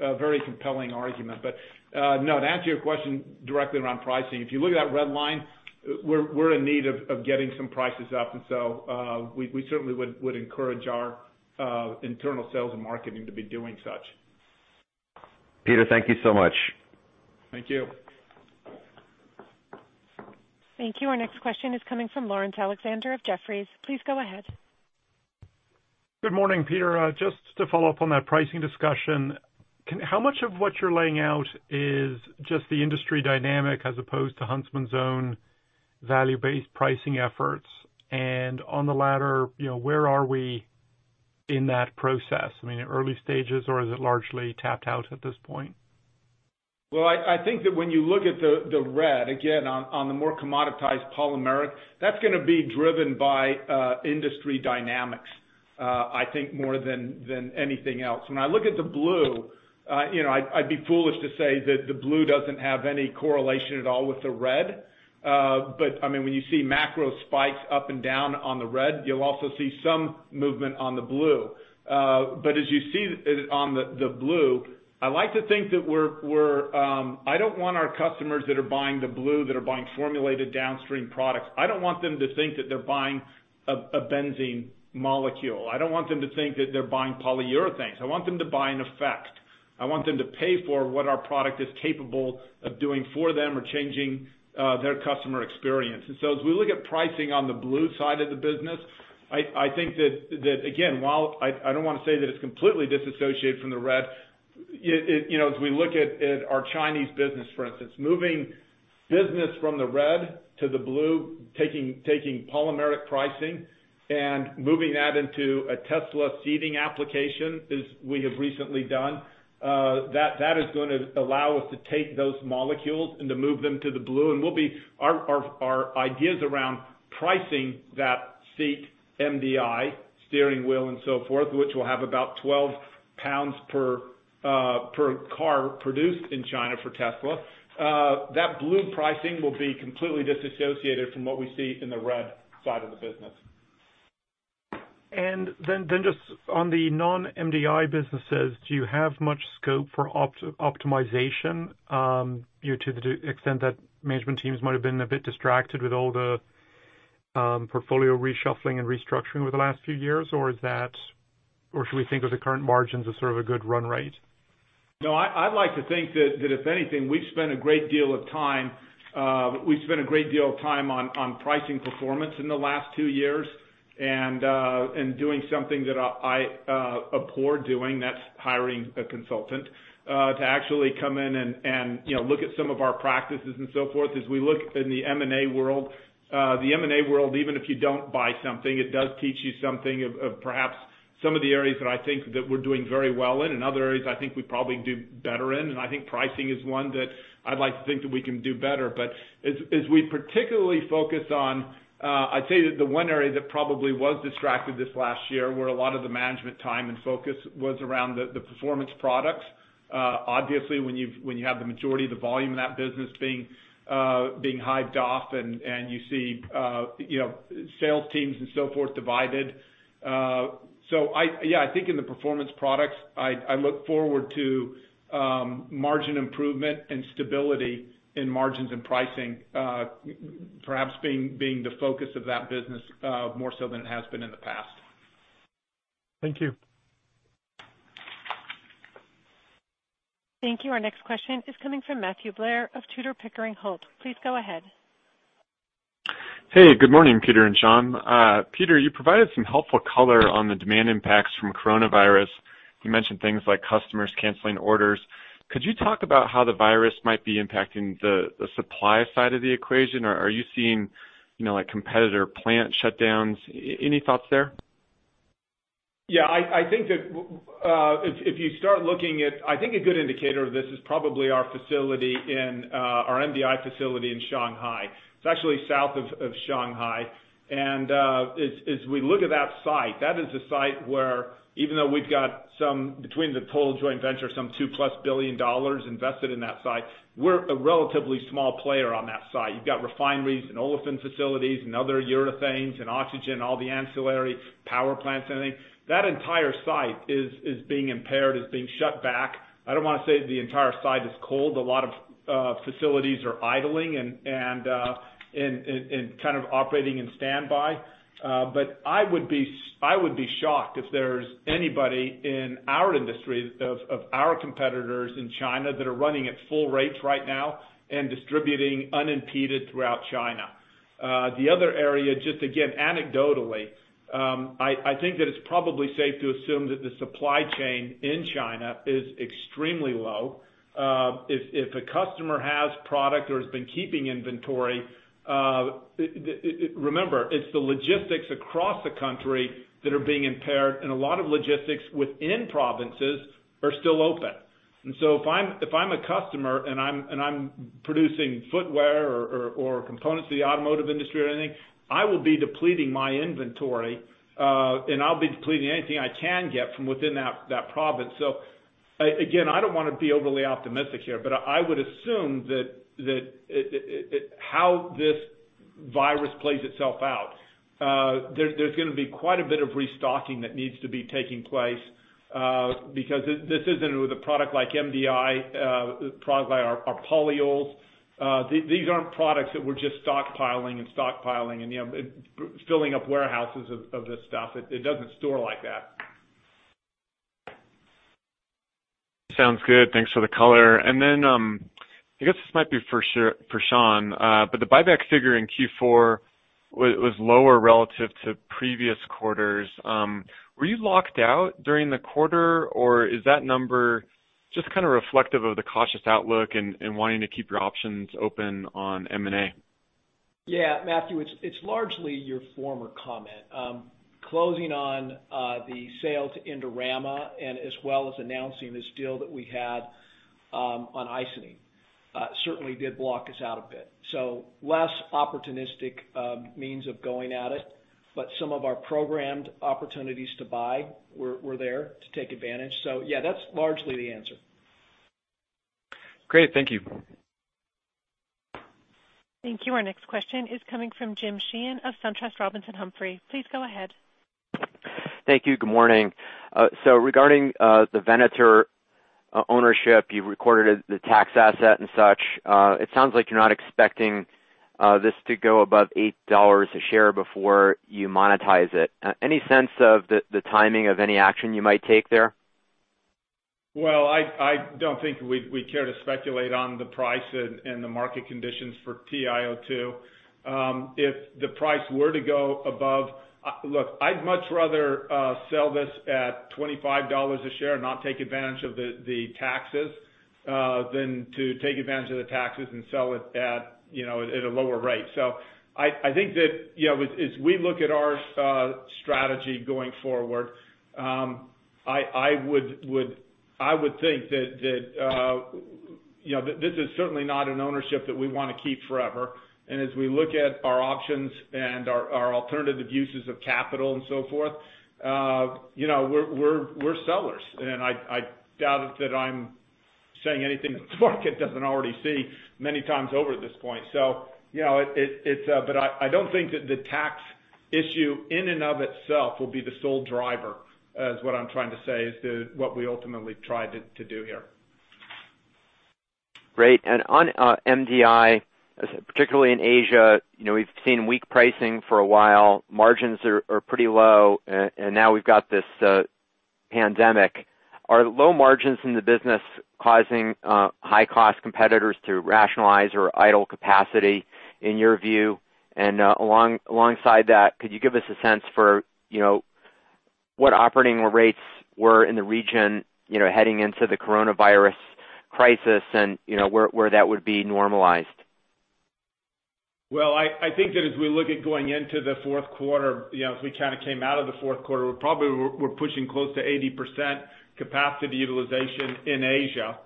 a very compelling argument. No, to answer your question directly around pricing, if you look at that red line, we're in need of getting some prices up. We certainly would encourage our internal sales and marketing to be doing such. Peter, thank you so much. Thank you. Thank you. Our next question is coming from Laurence Alexander of Jefferies. Please go ahead. Good morning, Peter. Just to follow up on that pricing discussion, how much of what you're laying out is just the industry dynamic as opposed to Huntsman's own value-based pricing efforts. On the latter, where are we in that process? I mean, early stages or is it largely tapped out at this point? Well, I think that when you look at the red, again, on the more commoditized polymeric, that's going to be driven by industry dynamics I think more than anything else. When I look at the blue, I'd be foolish to say that the blue doesn't have any correlation at all with the red. When you see macro spikes up and down on the red, you'll also see some movement on the blue. As you see on the blue, I like to think that I don't want our customers that are buying the blue, that are buying formulated downstream products, I don't want them to think that they're buying a benzene molecule. I don't want them to think that they're buying Polyurethanes. I want them to buy an effect. I want them to pay for what our product is capable of doing for them or changing their customer experience. As we look at pricing on the blue side of the business, I think that again, while I don't want to say that it's completely disassociated from the red, as we look at our Chinese business, for instance, moving business from the red to the blue, taking polymeric pricing and moving that into a Tesla seating application as we have recently done, that is going to allow us to take those molecules and to move them to the blue. Our ideas around pricing that seat MDI, steering wheel and so forth, which will have about 12 pounds per car produced in China for Tesla, that blue pricing will be completely disassociated from what we see in the red side of the business. Just on the non-MDI businesses, do you have much scope for optimization? To the extent that management teams might have been a bit distracted with all the portfolio reshuffling and restructuring over the last few years? Or should we think of the current margins as sort of a good run rate? No, I'd like to think that if anything, we've spent a great deal of time on pricing performance in the last two years and doing something that I abhor doing, that's hiring a consultant to actually come in and look at some of our practices and so forth. As we look in the M&A world, even if you don't buy something, it does teach you something of perhaps some of the areas that I think that we're doing very well in and other areas I think we probably do better in. I think pricing is one that I'd like to think that we can do better. As we particularly focus on, I'd say that the one area that probably was distracted this last year, where a lot of the management time and focus was around the Performance Products. Obviously when you have the majority of the volume of that business being hived off and you see sales teams and so forth divided. Yeah, I think in the Performance Products, I look forward to margin improvement and stability in margins and pricing perhaps being the focus of that business more so than it has been in the past. Thank you. Thank you. Our next question is coming from Matthew Blair of Tudor, Pickering, Holt. Please go ahead. Hey, good morning, Peter and Sean. Peter, you provided some helpful color on the demand impacts from coronavirus. You mentioned things like customers canceling orders. Could you talk about how the virus might be impacting the supply side of the equation? Are you seeing competitor plant shutdowns? Any thoughts there? Yeah, I think that if you start looking at, I think a good indicator of this is probably our facility in our MDI facility in Shanghai. It's actually south of Shanghai. As we look at that site, that is a site where even though we've got some, between the total joint venture, $2-plus billion invested in that site, we're a relatively small player on that site. You've got refineries and olefin facilities and other urethanes and oxygen, all the ancillary power plants and everything. That entire site is being impaired, is being shut back. I don't want to say the entire site is cold. A lot of facilities are idling and kind of operating in standby. I would be shocked if there's anybody in our industry of our competitors in China that are running at full rates right now and distributing unimpeded throughout China. The other area, just again, anecdotally, I think that it's probably safe to assume that the supply chain in China is extremely low. If a customer has product or has been keeping inventory, remember, it's the logistics across the country that are being impaired, and a lot of logistics within provinces are still open. If I'm a customer and I'm producing footwear or components for the automotive industry or anything, I will be depleting my inventory, and I'll be depleting anything I can get from within that province. Again, I don't want to be overly optimistic here, but I would assume that how this virus plays itself out, there's going to be quite a bit of restocking that needs to be taking place, because this isn't with a product like MDI, products like our polyols. These aren't products that we're just stockpiling and filling up warehouses of this stuff. It doesn't store like that. Sounds good. Thanks for the color. I guess this might be for Sean, the buyback figure in Q4 was lower relative to previous quarters. Were you locked out during the quarter, or is that number just reflective of the cautious outlook and wanting to keep your options open on M&A? Yeah, Matthew, it's largely your former comment. Closing on the sale to Indorama and as well as announcing this deal that we had on Icynene certainly did block us out a bit. Less opportunistic means of going at it, but some of our programmed opportunities to buy were there to take advantage. Yeah, that's largely the answer. Great. Thank you. Thank you. Our next question is coming from Jim Sheehan of SunTrust Robinson Humphrey. Please go ahead. Thank you. Good morning. Regarding the Venator ownership, you've recorded the tax asset and such. It sounds like you're not expecting this to go above $8 a share before you monetize it. Any sense of the timing of any action you might take there? I don't think we care to speculate on the price and the market conditions for TIO2. Look, I'd much rather sell this at $25 a share and not take advantage of the taxes, than to take advantage of the taxes and sell it at a lower rate. I think that as we look at our strategy going forward, I would think that this is certainly not an ownership that we want to keep forever. As we look at our options and our alternative uses of capital and so forth, we're sellers. I doubt that I'm saying anything that the market doesn't already see many times over at this point. I don't think that the tax issue in and of itself will be the sole driver, is what I'm trying to say, as to what we ultimately tried to do here. Great. On MDI, particularly in Asia, we've seen weak pricing for a while. Margins are pretty low, and now we've got this pandemic. Are low margins in the business causing high-cost competitors to rationalize or idle capacity in your view? Alongside that, could you give us a sense for what operating rates were in the region heading into the coronavirus crisis and where that would be normalized? Well, I think that as we look at going into the fourth quarter, as we kind of came out of the fourth quarter, we probably were pushing close to 80% capacity utilization in Asia.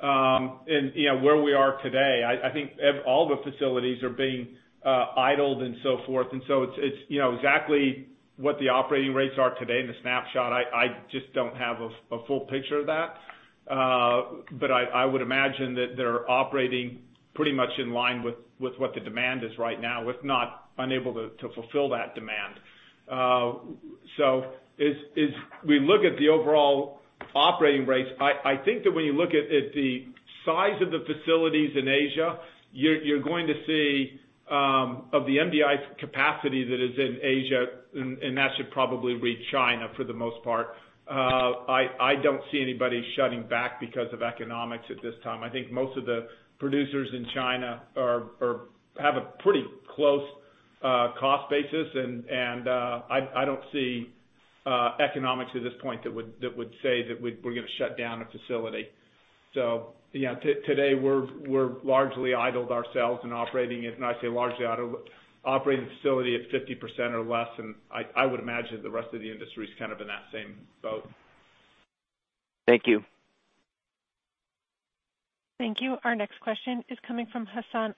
Where we are today, I think all the facilities are being idled and so forth. It's exactly what the operating rates are today in the snapshot. I just don't have a full picture of that. I would imagine that they're operating pretty much in line with what the demand is right now, if not unable to fulfill that demand. As we look at the overall operating rates, I think that when you look at the size of the facilities in Asia, you're going to see, of the MDI capacity that is in Asia, and that should probably read China for the most part. I don't see anybody shutting back because of economics at this time. I think most of the producers in China have a pretty close cost basis. I don't see economics at this point that would say that we're going to shut down a facility. Today, we're largely idled ourselves and I say largely idled, operating the facility at 50% or less. I would imagine the rest of the industry is kind of in that same boat. Thank you. Thank you. Our next question is coming from Hassan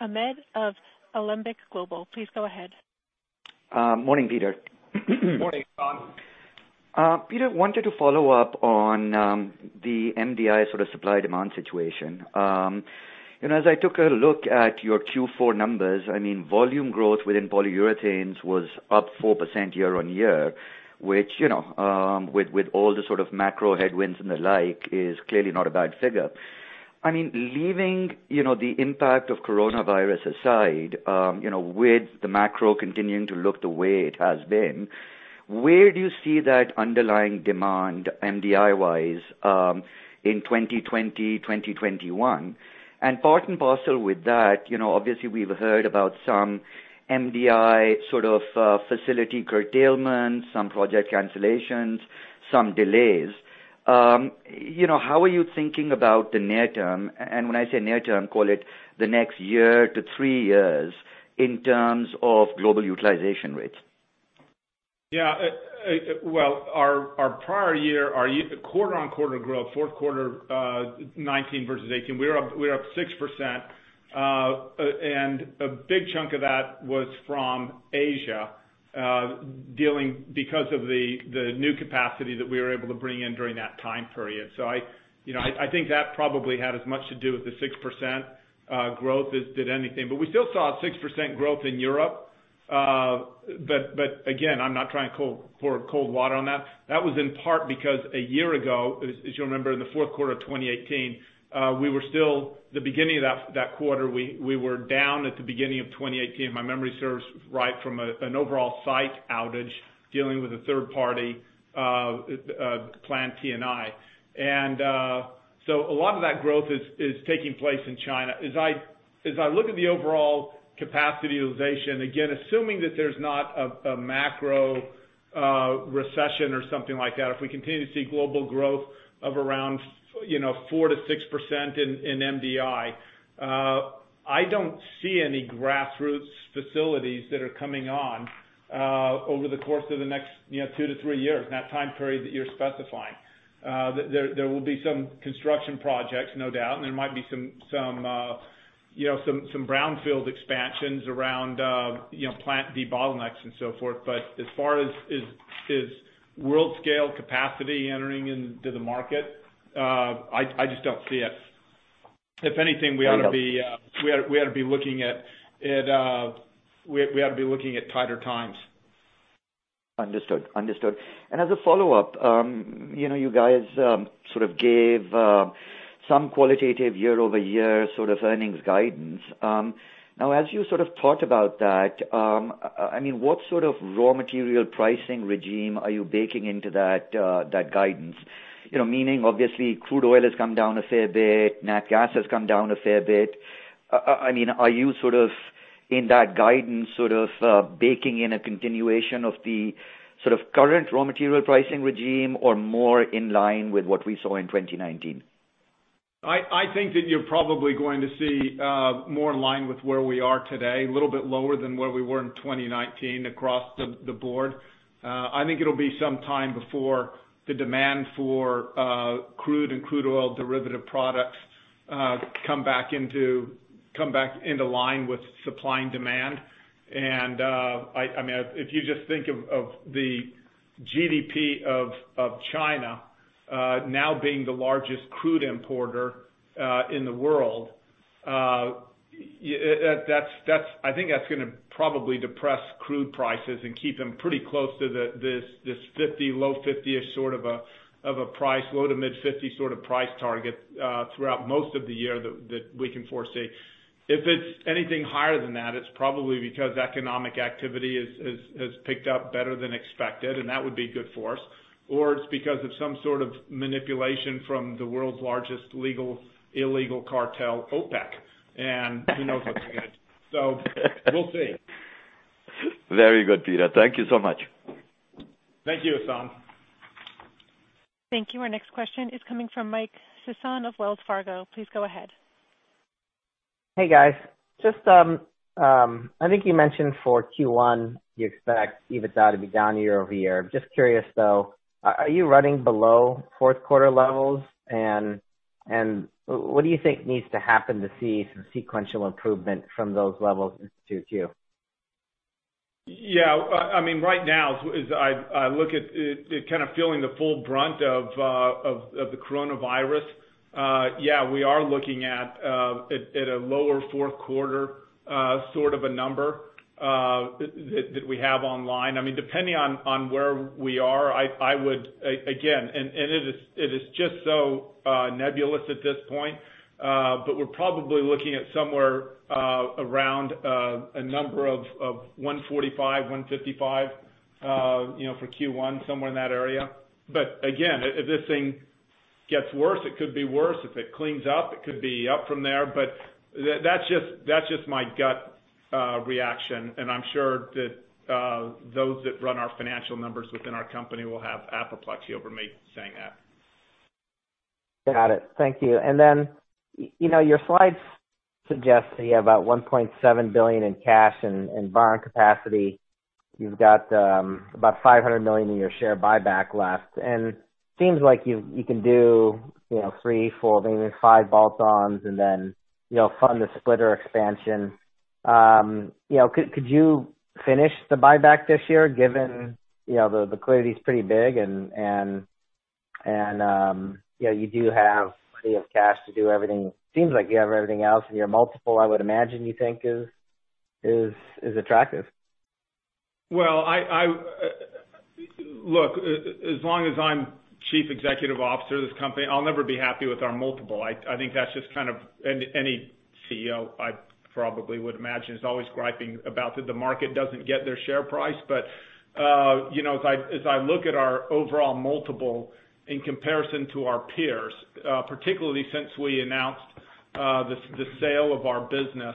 Ahmed of Alembic Global. Please go ahead. Morning, Peter. Morning, Hassan. Peter, wanted to follow up on the MDI sort of supply-demand situation. As I took a look at your Q4 numbers, volume growth within Polyurethanes was up 4% year-on-year, which with all the sort of macro headwinds and the like, is clearly not a bad figure. Leaving the impact of coronavirus aside, with the macro continuing to look the way it has been, where do you see that underlying demand MDI-wise in 2020, 2021? Part and parcel with that, obviously we've heard about some MDI sort of facility curtailment, some project cancellations, some delays. How are you thinking about the near term, and when I say near term, call it the next year to three years, in terms of global utilization rates? Well, our prior year, our quarter-on-quarter growth, fourth quarter 2019 versus 2018, we were up 6%, and a big chunk of that was from Asia, because of the new capacity that we were able to bring in during that time period. I think that probably had as much to do with the 6% growth as did anything. We still saw a 6% growth in Europe. Again, I'm not trying to pour cold water on that. That was in part because a year ago, as you'll remember, in the fourth quarter of 2018, we were still the beginning of that quarter, we were down at the beginning of 2018, if my memory serves right, from an overall site outage dealing with a third party, Plant TNI. A lot of that growth is taking place in China. As I look at the overall capacity utilization, again, assuming that there's not a macro recession or something like that, if we continue to see global growth of around 4%-6% in MDI, I don't see any grassroots facilities that are coming on over the course of the next two to three years, in that time period that you're specifying. There will be some construction projects, no doubt, and there might be some brownfield expansions around plant debottlenecks and so forth. As far as world scale capacity entering into the market, I just don't see it. If anything, we ought to be looking at tighter times. Understood. As a follow-up, you guys sort of gave some qualitative year-over-year sort of earnings guidance. As you sort of thought about that, what sort of raw material pricing regime are you baking into that guidance? Meaning, obviously, crude oil has come down a fair bit, nat gas has come down a fair bit. Are you sort of, in that guidance, sort of baking in a continuation of the sort of current raw material pricing regime or more in line with what we saw in 2019? I think that you're probably going to see more in line with where we are today, a little bit lower than where we were in 2019 across the board. I think it'll be some time before the demand for crude and crude oil derivative products come back into line with supply and demand. If you just think of the GDP of China now being the largest crude importer in the world, I think that's going to probably depress crude prices and keep them pretty close to this 50, low 50-ish sort of a price, low to mid 50 sort of price target throughout most of the year that we can foresee. If it's anything higher than that, it's probably because economic activity has picked up better than expected, and that would be good for us, or it's because of some sort of manipulation from the world's largest illegal cartel, OPEC. Who knows what they're going to do. We'll see. Very good, Peter. Thank you so much. Thank you, Hassan. Thank you. Our next question is coming from Mike Sison of Wells Fargo. Please go ahead. Hey, guys. I think you mentioned for Q1, you expect EBITDA to be down year-over-year. I'm just curious, though, are you running below fourth quarter levels and what do you think needs to happen to see some sequential improvement from those levels into Q? Yeah. Right now, as I look at it kind of feeling the full brunt of the coronavirus, yeah, we are looking at a lower fourth quarter sort of a number that we have online. Depending on where we are, again, and it is just so nebulous at this point, we're probably looking at somewhere around a number of 145, 155 for Q1, somewhere in that area. Again, if this thing gets worse, it could be worse. If it cleans up, it could be up from there. That's just my gut reaction, and I'm sure that those that run our financial numbers within our company will have apoplexy over me saying that. Got it. Thank you. Your slides suggest that you have about $1.7 billion in cash and borrowing capacity. You've got about $500 million in your share buyback left, and seems like you can do three, four, maybe five bolt-ons and then fund the splitter expansion. Could you finish the buyback this year, given the clarity is pretty big and you do have plenty of cash to do everything? Seems like you have everything else in your multiple, I would imagine you think is attractive. Well, look, as long as I'm chief executive officer of this company, I'll never be happy with our multiple. I think that's just kind of any CEO, I probably would imagine, is always griping about that the market doesn't get their share price. As I look at our overall multiple in comparison to our peers, particularly since we announced the sale of our business,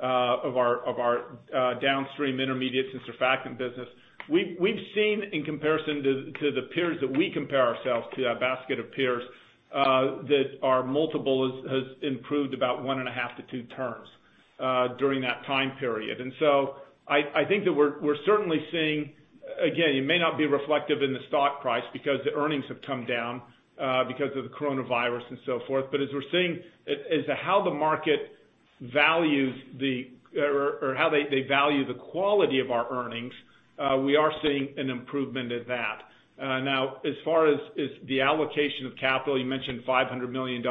of our downstream intermediates and surfactant business, we've seen in comparison to the peers that we compare ourselves to, our basket of peers, that our multiple has improved about one and a half to two turns during that time period. I think that we're certainly seeing, again, it may not be reflective in the stock price because the earnings have come down because of the coronavirus and so forth. As we're seeing as to how the market values or how they value the quality of our earnings, we are seeing an improvement at that. Now, as far as the allocation of capital, you mentioned $500 million.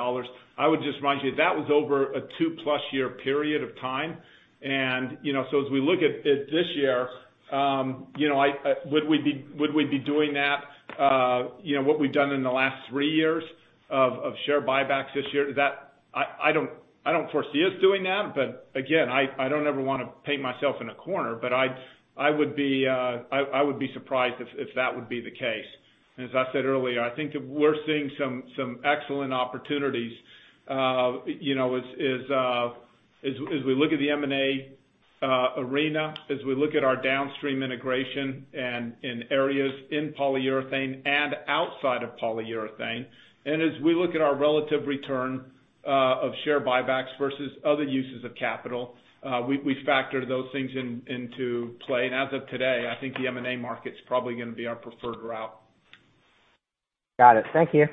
I would just remind you that was over a two-plus year period of time. As we look at this year, would we be doing that? What we've done in the last three years of share buybacks this year, I don't foresee us doing that, but again, I don't ever want to paint myself in a corner, but I would be surprised if that would be the case. As I said earlier, I think that we're seeing some excellent opportunities as we look at the M&A arena, as we look at our downstream integration and in areas in polyurethane and outside of polyurethane. As we look at our relative return of share buybacks versus other uses of capital, we factor those things into play. As of today, I think the M&A market is probably going to be our preferred route. Got it. Thank you.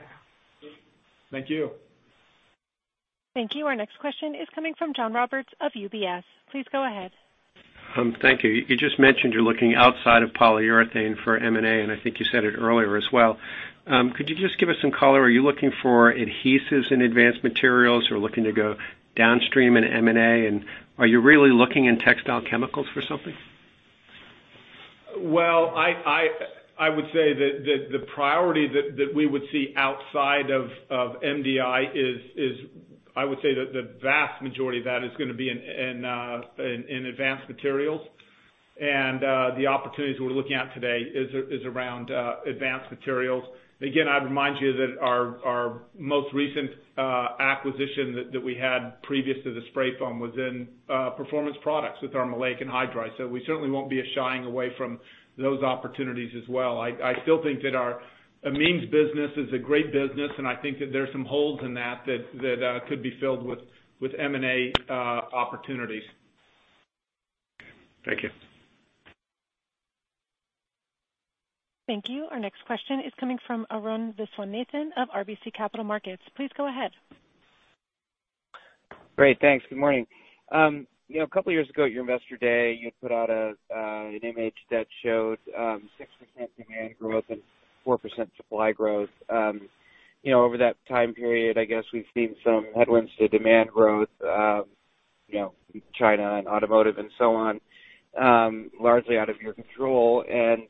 Thank you. Thank you. Our next question is coming from John Roberts of UBS. Please go ahead. Thank you. You just mentioned you're looking outside of polyurethane for M&A. I think you said it earlier as well. Could you just give us some color? Are you looking for adhesives in Advanced Materials or looking to go downstream in M&A? Are you really looking in textile chemicals for something? Well, I would say that the priority that we would see outside of MDI is, I would say, the vast majority of that is going to be in Advanced Materials. The opportunities we're looking at today is around Advanced Materials. Again, I'd remind you that our most recent acquisition that we had previous to the spray foam was in Performance Products with our maleic anhydride. We certainly won't be shying away from those opportunities as well. I still think that our amines business is a great business, and I think that there's some holes in that could be filled with M&A opportunities. Thank you. Thank you. Our next question is coming from Arun Viswanathan of RBC Capital Markets. Please go ahead. Great. Thanks. Good morning. A couple years ago at your Investor Day, you put out an image that showed 6% demand growth and 4% supply growth. Over that time period, I guess we've seen some headwinds to demand growth, China and automotive and so on, largely out of your control.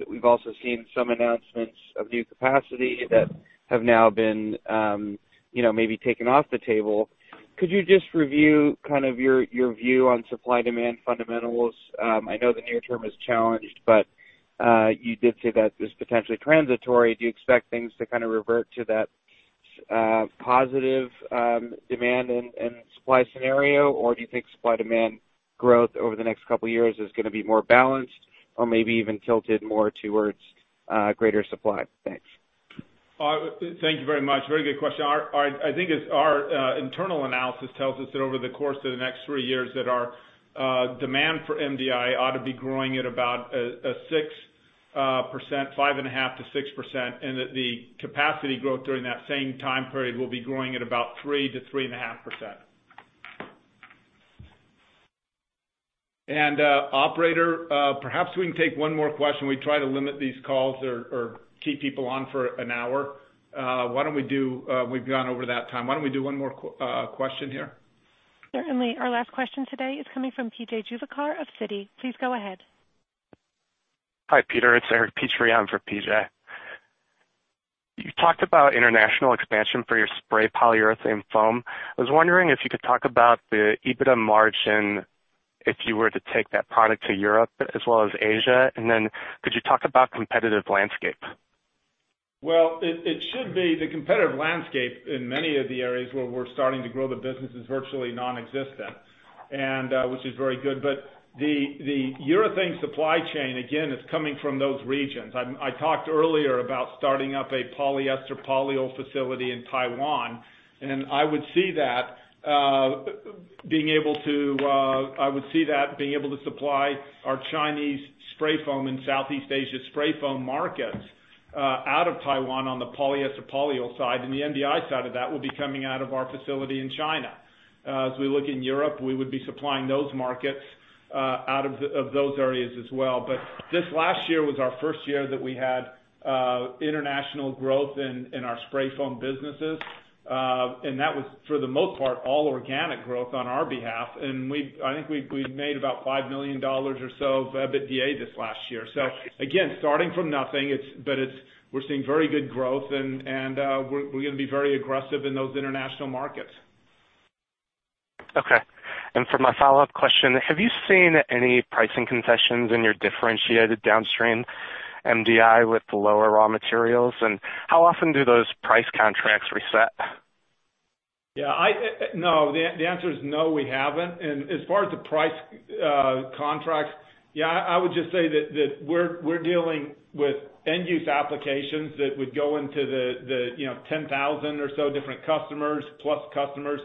We've also seen some announcements of new capacity that have now been maybe taken off the table. Could you just review kind of your view on supply-demand fundamentals? I know the near term is challenged, you did say that it's potentially transitory. Do you expect things to kind of revert to that positive demand and supply scenario, or do you think supply-demand growth over the next couple of years is going to be more balanced or maybe even tilted more towards greater supply? Thanks. Thank you very much. Very good question. I think as our internal analysis tells us that over the course of the next three years, that our demand for MDI ought to be growing at about 5.5% to 6%, and that the capacity growth during that same time period will be growing at about 3% to 3.5%. Operator, perhaps we can take one more question. We try to limit these calls or keep people on for an hour. We've gone over that time. Why don't we do one more question here? Certainly. Our last question today is coming from P.J. Juvekar of Citi. Please go ahead. Hi, Peter. It's Eric Petrie for P.J. You talked about international expansion for your spray polyurethane foam. I was wondering if you could talk about the EBITDA margin if you were to take that product to Europe as well as Asia, and then could you talk about competitive landscape? Well, it should be the competitive landscape in many of the areas where we're starting to grow the business is virtually nonexistent, and which is very good. The urethane supply chain, again, is coming from those regions. I talked earlier about starting up a polyester polyol facility in Taiwan, and I would see that being able to supply our Chinese spray foam in Southeast Asia spray foam markets out of Taiwan on the polyester polyol side, and the MDI side of that will be coming out of our facility in China. As we look in Europe, we would be supplying those markets out of those areas as well. This last year was our first year that we had international growth in our spray foam businesses. That was, for the most part, all organic growth on our behalf. I think we've made about $5 million or so of EBITDA this last year. Again, starting from nothing, but we're seeing very good growth, and we're going to be very aggressive in those international markets. Okay. For my follow-up question, have you seen any pricing concessions in your differentiated downstream MDI with the lower raw materials? How often do those price contracts reset? No. The answer is no, we haven't. As far as the price contracts, yeah, I would just say that we're dealing with end-use applications that would go into the 10,000 or so different customers, plus customers.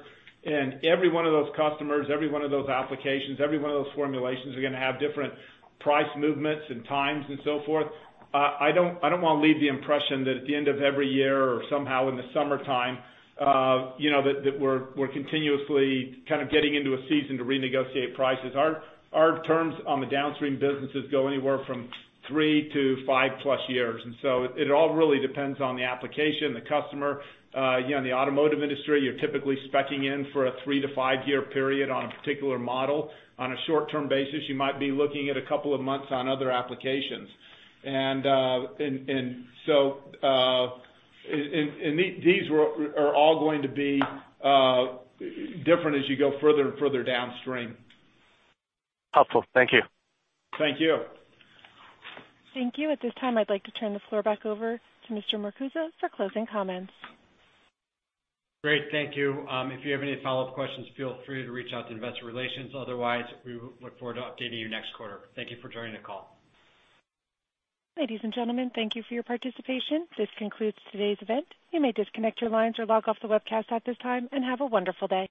Every one of those customers, every one of those applications, every one of those formulations are going to have different price movements and times and so forth. I don't want to leave the impression that at the end of every year or somehow in the summertime that we're continuously kind of getting into a season to renegotiate prices. Our terms on the downstream businesses go anywhere from three to five-plus years. It all really depends on the application, the customer. In the automotive industry, you're typically speccing in for a three- to five-year period on a particular model. On a short-term basis, you might be looking at a couple of months on other applications. These are all going to be different as you go further and further downstream. Helpful. Thank you. Thank you. Thank you. At this time, I'd like to turn the floor back over to Mr. Marcuse for closing comments. Great. Thank you. If you have any follow-up questions, feel free to reach out to investor relations. Otherwise, we look forward to updating you next quarter. Thank you for joining the call. Ladies and gentlemen, thank you for your participation. This concludes today's event. You may disconnect your lines or log off the webcast at this time, and have a wonderful day.